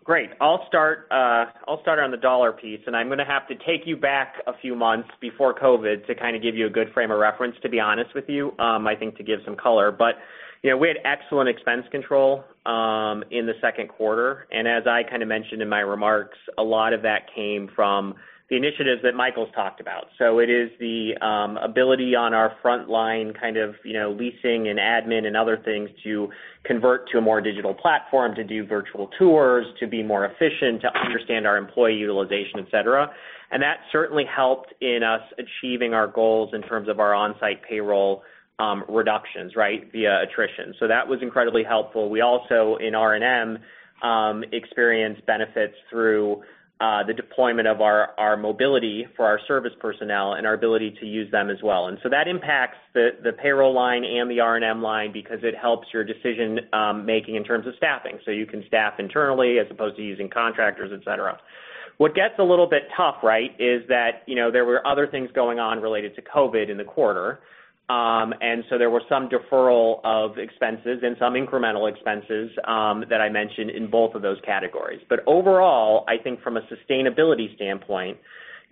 Great. I'll start on the dollar piece, and I'm going to have to take you back a few months before COVID to kind of give you a good frame of reference, to be honest with you, I think to give some color. We had excellent expense control in the second quarter, and as I kind of mentioned in my remarks, a lot of that came from the initiatives that Michael's talked about. It is the ability on our frontline kind of leasing and admin and other things to convert to a more digital platform, to do virtual tours, to be more efficient, to understand our employee utilization, et cetera. That certainly helped in us achieving our goals in terms of our onsite payroll reductions via attrition. That was incredibly helpful. We also, in R&M, experienced benefits through the deployment of our mobility for our service personnel and our ability to use them as well. That impacts the payroll line and the R&M line because it helps your decision-making in terms of staffing. You can staff internally as opposed to using contractors, et cetera. What gets a little bit tough is that there were other things going on related to COVID in the quarter. There were some deferral of expenses and some incremental expenses that I mentioned in both of those categories. Overall, I think from a sustainability standpoint,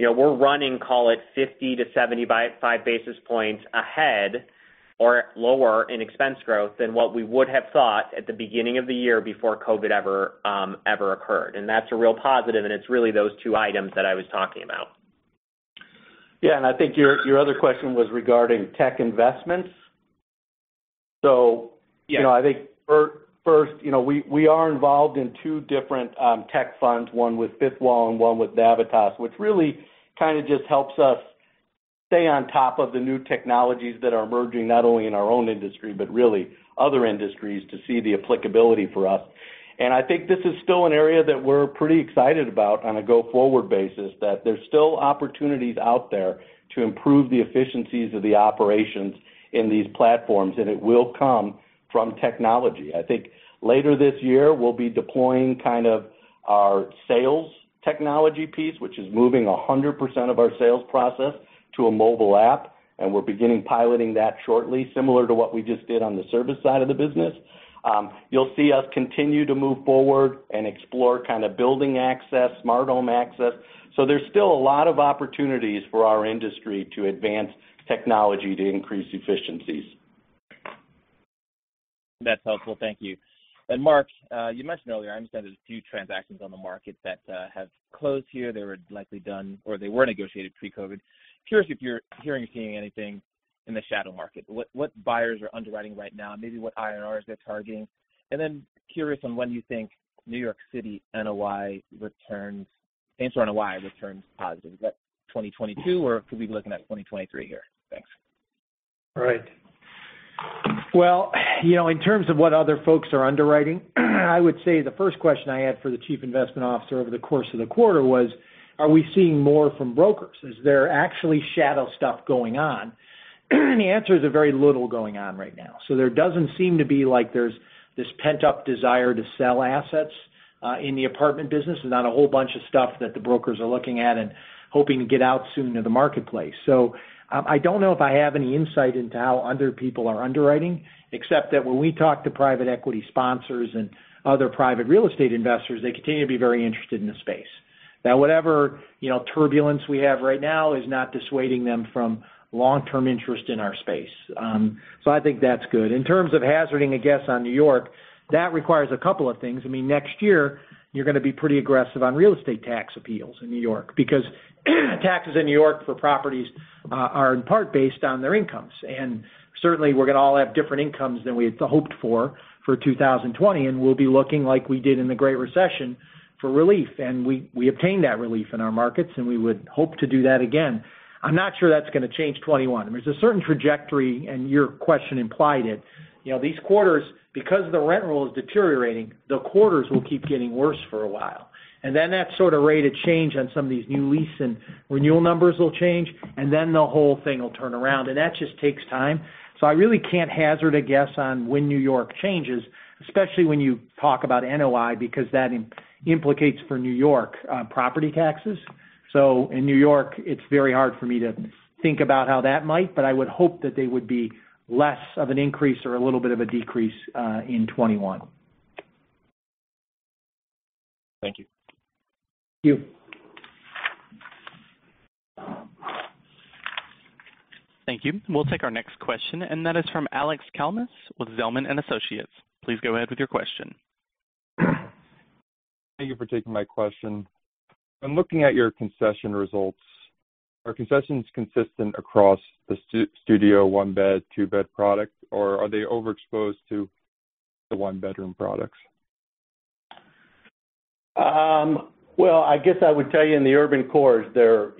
we're running, call it 50-75 basis points ahead or lower in expense growth than what we would have thought at the beginning of the year before COVID ever occurred. That's a real positive, and it's really those two items that I was talking about. Yeah, I think your other question was regarding tech investments. Yeah I think first, we are involved in two different tech funds, one with Fifth Wall and one with Navitas, which really kind of just helps us stay on top of the new technologies that are emerging, not only in our own industry, but really other industries to see the applicability for us. I think this is still an area that we're pretty excited about on a go-forward basis, that there's still opportunities out there to improve the efficiencies of the operations in these platforms, and it will come from technology. I think later this year, we'll be deploying kind of our sales technology piece, which is moving 100% of our sales process to a mobile app, and we're beginning piloting that shortly, similar to what we just did on the service side of the business. You'll see us continue to move forward and explore kind of building access, smart home access. There's still a lot of opportunities for our industry to advance technology to increase efficiencies. That's helpful. Thank you. Mark, you mentioned earlier, I understand there's a few transactions on the market that have closed here. They were likely done or they were negotiated pre-COVID. Curious if you're hearing or seeing anything in the shadow market. What buyers are underwriting right now, maybe what IRRs they're targeting. Then curious on when you think New York City NOI returns, and so NOI returns positive. Is that 2022, or could we be looking at 2023 here? Thanks. All right. Well, in terms of what other folks are underwriting, I would say the first question I had for the Chief Investment Officer over the course of the quarter was, are we seeing more from brokers? Is there actually shadow stuff going on? The answer is a very little going on right now. There doesn't seem to be like there's this pent-up desire to sell assets in the apartment business. There's not a whole bunch of stuff that the brokers are looking at and hoping to get out soon to the marketplace. I don't know if I have any insight into how other people are underwriting, except that when we talk to private equity sponsors and other private real estate investors, they continue to be very interested in the space. Whatever turbulence we have right now is not dissuading them from long-term interest in our space. I think that's good. In terms of hazarding a guess on New York, that requires a couple of things. I mean, next year, you're going to be pretty aggressive on real estate tax appeals in New York because taxes in New York for properties are in part based on their incomes. Certainly, we're going to all have different incomes than we had hoped for 2020, and we'll be looking like we did in the Great Recession for relief. We obtained that relief in our markets, and we would hope to do that again. I'm not sure that's going to change 2021. There's a certain trajectory, and your question implied it. These quarters, because the rent roll is deteriorating, the quarters will keep getting worse for a while. That sort of rate of change on some of these new lease and renewal numbers will change, and then the whole thing will turn around, and that just takes time. I really can't hazard a guess on when New York changes, especially when you talk about NOI because that implicates for New York property taxes. In New York, it's very hard for me to think about how that might, but I would hope that they would be less of an increase or a little bit of a decrease in 2021. Thank you. Thank you. Thank you. We'll take our next question, and that is from Alex Kalmus with Zelman & Associates. Please go ahead with your question. Thank you for taking my question. I'm looking at your concession results. Are concessions consistent across the studio, one-bed, two-bed product, or are they overexposed to the one-bedroom products? Well, I guess I would tell you in the urban cores they're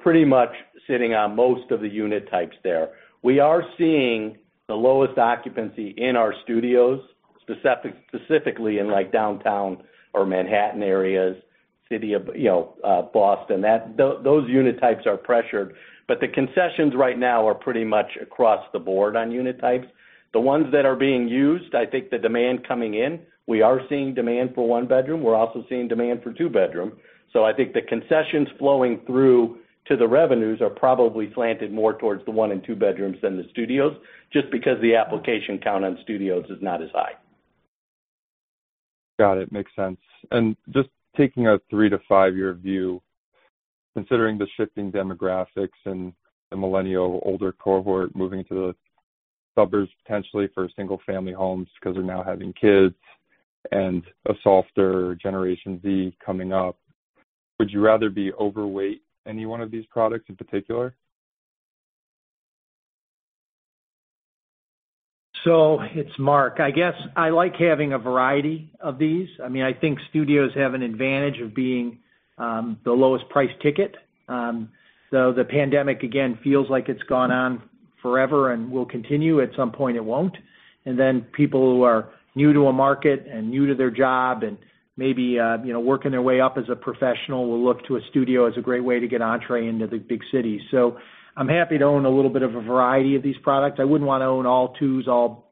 pretty much sitting on most of the unit types there. We are seeing the lowest occupancy in our studios, specifically in Downtown or Manhattan areas, city of Boston. Those unit types are pressured. The concessions right now are pretty much across the board on unit types. The ones that are being used, I think the demand coming in, we are seeing demand for one-bedroom. We're also seeing demand for two-bedroom. I think the concessions flowing through to the revenues are probably slanted more towards the one and two bedrooms than the studios, just because the application count on studios is not as high. Got it. Makes sense. Just taking a three to five-year view, considering the shifting demographics and the millennial older cohort moving to the suburbs potentially for single-family homes because they're now having kids, and a softer Generation Z coming up, would you rather be overweight any one of these products in particular? It's Mark. I guess I like having a variety of these. I think studios have an advantage of being the lowest price ticket. The pandemic, again, feels like it's gone on forever and will continue. At some point, it won't. People who are new to a market and new to their job and maybe working their way up as a professional will look to a studio as a great way to get entree into the big city. I'm happy to own a little bit of a variety of these products. I wouldn't want to own all twos, all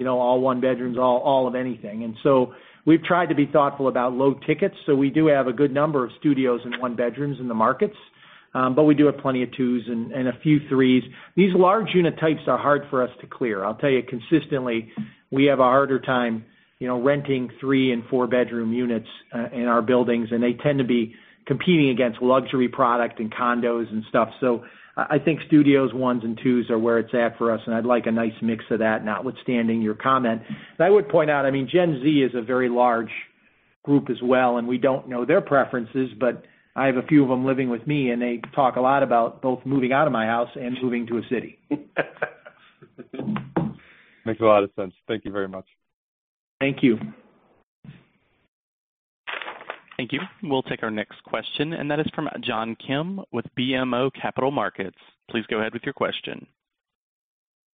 one bedrooms, all of anything. We've tried to be thoughtful about low tickets. We do have a good number of studios and one bedrooms in the markets. We do have plenty of twos and a few threes. These large unit types are hard for us to clear. I'll tell you consistently, we have a harder time renting three and four-bedroom units in our buildings. They tend to be competing against luxury product and condos and stuff. I think studios, 1s, and 2s are where it's at for us, and I'd like a nice mix of that, notwithstanding your comment. I would point out, Gen Z is a very large group as well, and we don't know their preferences, but I have a few of them living with me, and they talk a lot about both moving out of my house and moving to a city. Makes a lot of sense. Thank you very much. Thank you. Thank you. We'll take our next question, and that is from John Kim with BMO Capital Markets. Please go ahead with your question.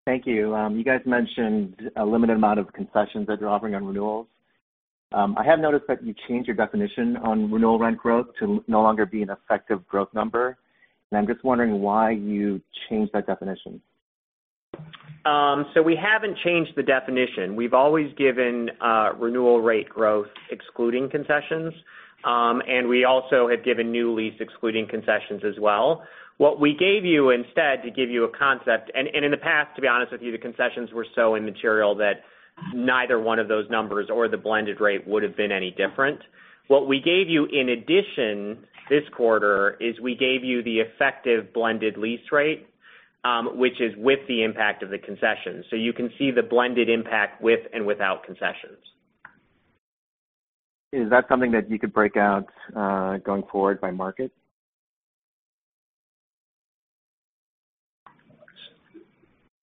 Thank you. You guys mentioned a limited amount of concessions that you're offering on renewals. I have noticed that you changed your definition on renewal rent growth to no longer be an effective growth number, and I'm just wondering why you changed that definition? We haven't changed the definition. We've always given renewal rate growth excluding concessions. We also have given new lease excluding concessions as well. We gave you instead to give you a concept, and in the past, to be honest with you, the concessions were so immaterial that neither one of those numbers or the blended rate would've been any different. We gave you in addition this quarter is we gave you the effective blended lease rate, which is with the impact of the concessions. You can see the blended impact with and without concessions. Is that something that you could break out going forward by market?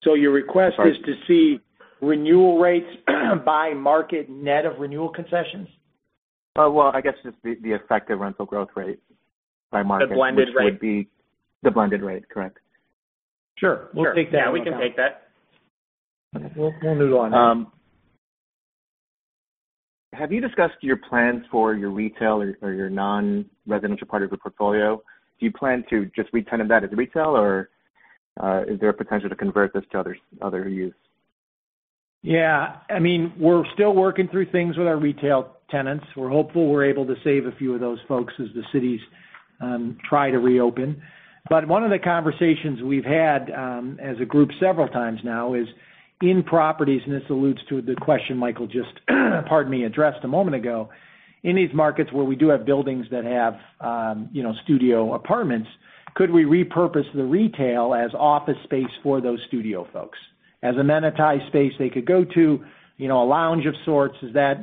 Your request is to see renewal rates by market net of renewal concessions? Well, I guess just the effective rental growth rate by market. The blended rate. which would be the blended rate. Correct. Sure. We'll take that. Sure. Yeah, we can take that. We'll move on that. Have you discussed your plans for your retail or your non-residential part of your portfolio? Do you plan to just retenant that as retail, or is there a potential to convert this to other use? Yeah. We're still working through things with our retail tenants. We're hopeful we're able to save a few of those folks as the cities try to reopen. One of the conversations we've had, as a group several times now is in properties, and this alludes to the question Michael just pardon me, addressed a moment ago. In these markets where we do have buildings that have studio apartments, could we repurpose the retail as office space for those studio folks? As a amenitized space they could go to, a lounge of sorts. Is that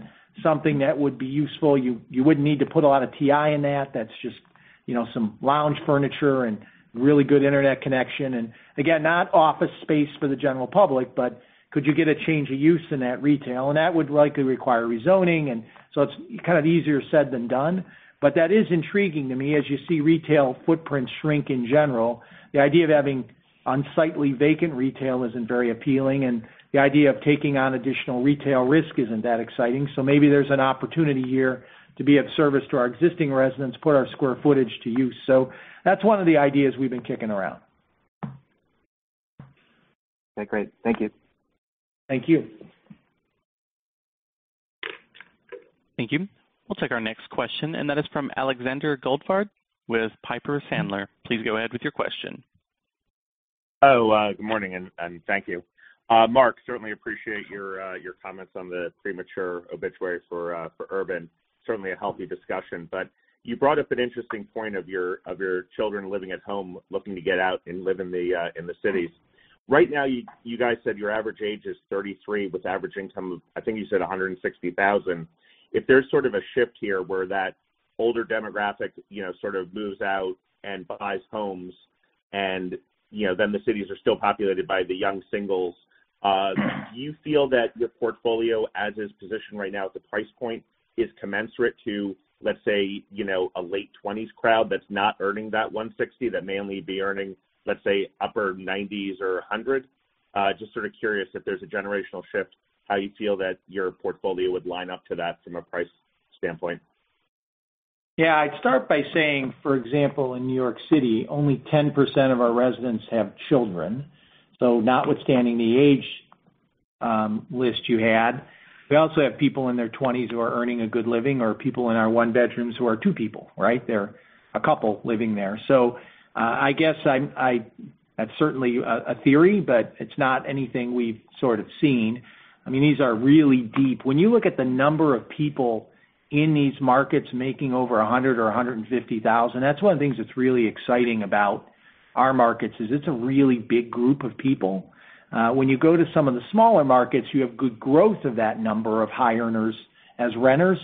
something that would be useful? You wouldn't need to put a lot of TI in that. That's just some lounge furniture and really good internet connection and again, not office space for the general public, but could you get a change of use in that retail? That would likely require rezoning, so it's kind of easier said than done, but that is intriguing to me. As you see retail footprint shrink in general, the idea of having unsightly vacant retail isn't very appealing, and the idea of taking on additional retail risk isn't that exciting. Maybe there's an opportunity here to be of service to our existing residents, put our square footage to use. That's one of the ideas we've been kicking around. Okay, great. Thank you. Thank you. Thank you. We'll take our next question, and that is from Alexander Goldfarb with Piper Sandler. Please go ahead with your question. Good morning, thank you. Mark, certainly appreciate your comments on the premature obituary for urban. Certainly a healthy discussion. You brought up an interesting point of your children living at home, looking to get out and live in the cities. Right now, you guys said your average age is 33, with average income of, I think you said $160,000. If there's sort of a shift here where that older demographic sort of moves out and buys homes, and then the cities are still populated by the young singles, do you feel that your portfolio as is positioned right now at the price point is commensurate to, let's say, a late 20s crowd that's not earning that $160,000, that may only be earning, let's say, upper $90,000s or $100,000? Just sort of curious if there's a generational shift, how you feel that your portfolio would line up to that from a price standpoint. I'd start by saying, for example, in New York City, only 10% of our residents have children. Notwithstanding the age list you had, we also have people in their 20s who are earning a good living or people in our one bedrooms who are two people, right? They're a couple living there. I guess that's certainly a theory, but it's not anything we've sort of seen. These are really deep. When you look at the number of people in these markets making over $100,000 or $150,000, that's one of the things that's really exciting about our markets, is it's a really big group of people. When you go to some of the smaller markets, you have good growth of that number of high earners as renters,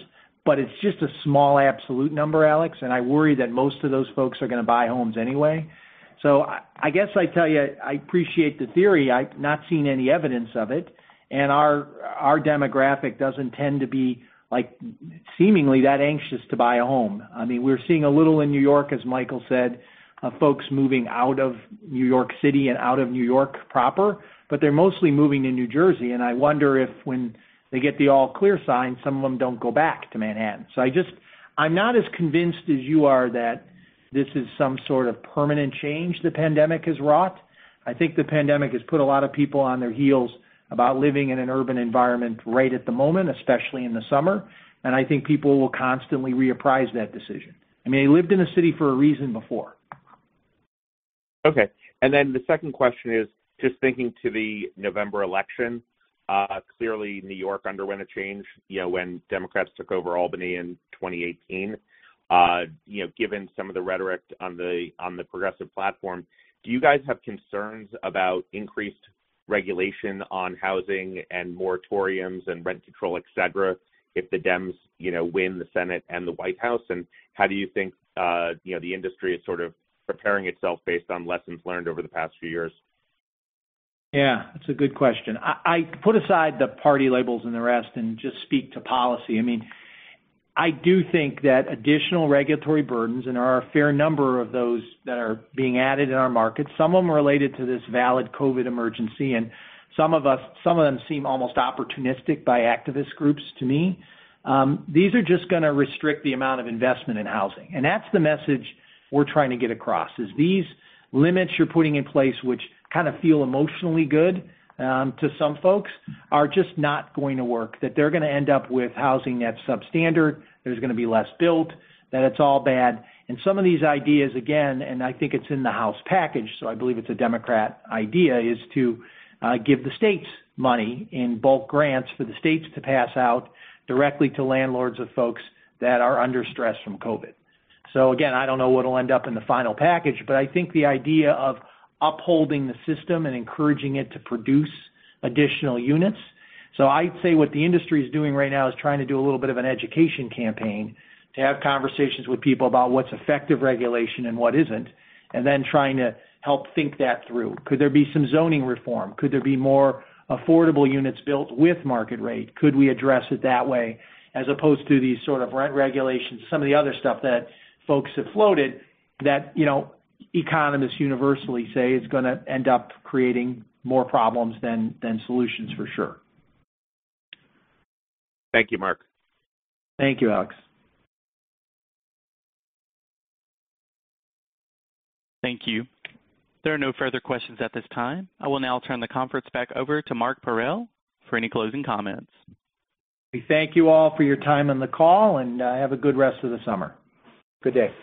but it's just a small absolute number, Alex, and I worry that most of those folks are going to buy homes anyway. I guess I'd tell you, I appreciate the theory. I've not seen any evidence of it, and our demographic doesn't tend to be seemingly that anxious to buy a home. We're seeing a little in New York, as Michael said, of folks moving out of New York City and out of New York proper, but they're mostly moving to New Jersey, and I wonder if when they get the all clear sign, some of them don't go back to Manhattan. I'm not as convinced as you are that this is some sort of permanent change the pandemic has wrought. I think the pandemic has put a lot of people on their heels about living in an urban environment right at the moment, especially in the summer, and I think people will constantly reappraise that decision. They lived in a city for a reason before. Okay. The second question is just thinking to the November election. Clearly, New York underwent a change when Democrats took over Albany in 2018. Given some of the rhetoric on the progressive platform, do you guys have concerns about increased regulation on housing and moratoriums and rent control, et cetera, if the Dems win the Senate and the White House? How do you think the industry is sort of preparing itself based on lessons learned over the past few years? Yeah. That's a good question. I put aside the party labels and the rest, and just speak to policy. I do think that additional regulatory burdens, and there are a fair number of those that are being added in our markets, some of them related to this valid COVID emergency, and some of them seem almost opportunistic by activist groups to me. These are just going to restrict the amount of investment in housing, and that's the message we're trying to get across, is these limits you're putting in place which kind of feel emotionally good to some folks are just not going to work, that they're going to end up with housing that's substandard. There's going to be less built, that it's all bad. Some of these ideas, again, I think it's in the House package, I believe it's a Democrat idea, is to give the states money in bulk grants for the states to pass out directly to landlords of folks that are under stress from COVID. Again, I don't know what'll end up in the final package, but I think the idea of upholding the system and encouraging it to produce additional units. I'd say what the industry is doing right now is trying to do a little bit of an education campaign to have conversations with people about what's effective regulation and what isn't, and then trying to help think that through. Could there be some zoning reform? Could there be more affordable units built with market rate? Could we address it that way, as opposed to these sort of rent regulations? Some of the other stuff that folks have floated that economists universally say is going to end up creating more problems than solutions, for sure. Thank you, Mark. Thank you, Alex. Thank you. There are no further questions at this time. I will now turn the conference back over to Mark Parrell for any closing comments. We thank you all for your time on the call, and have a good rest of the summer. Good day.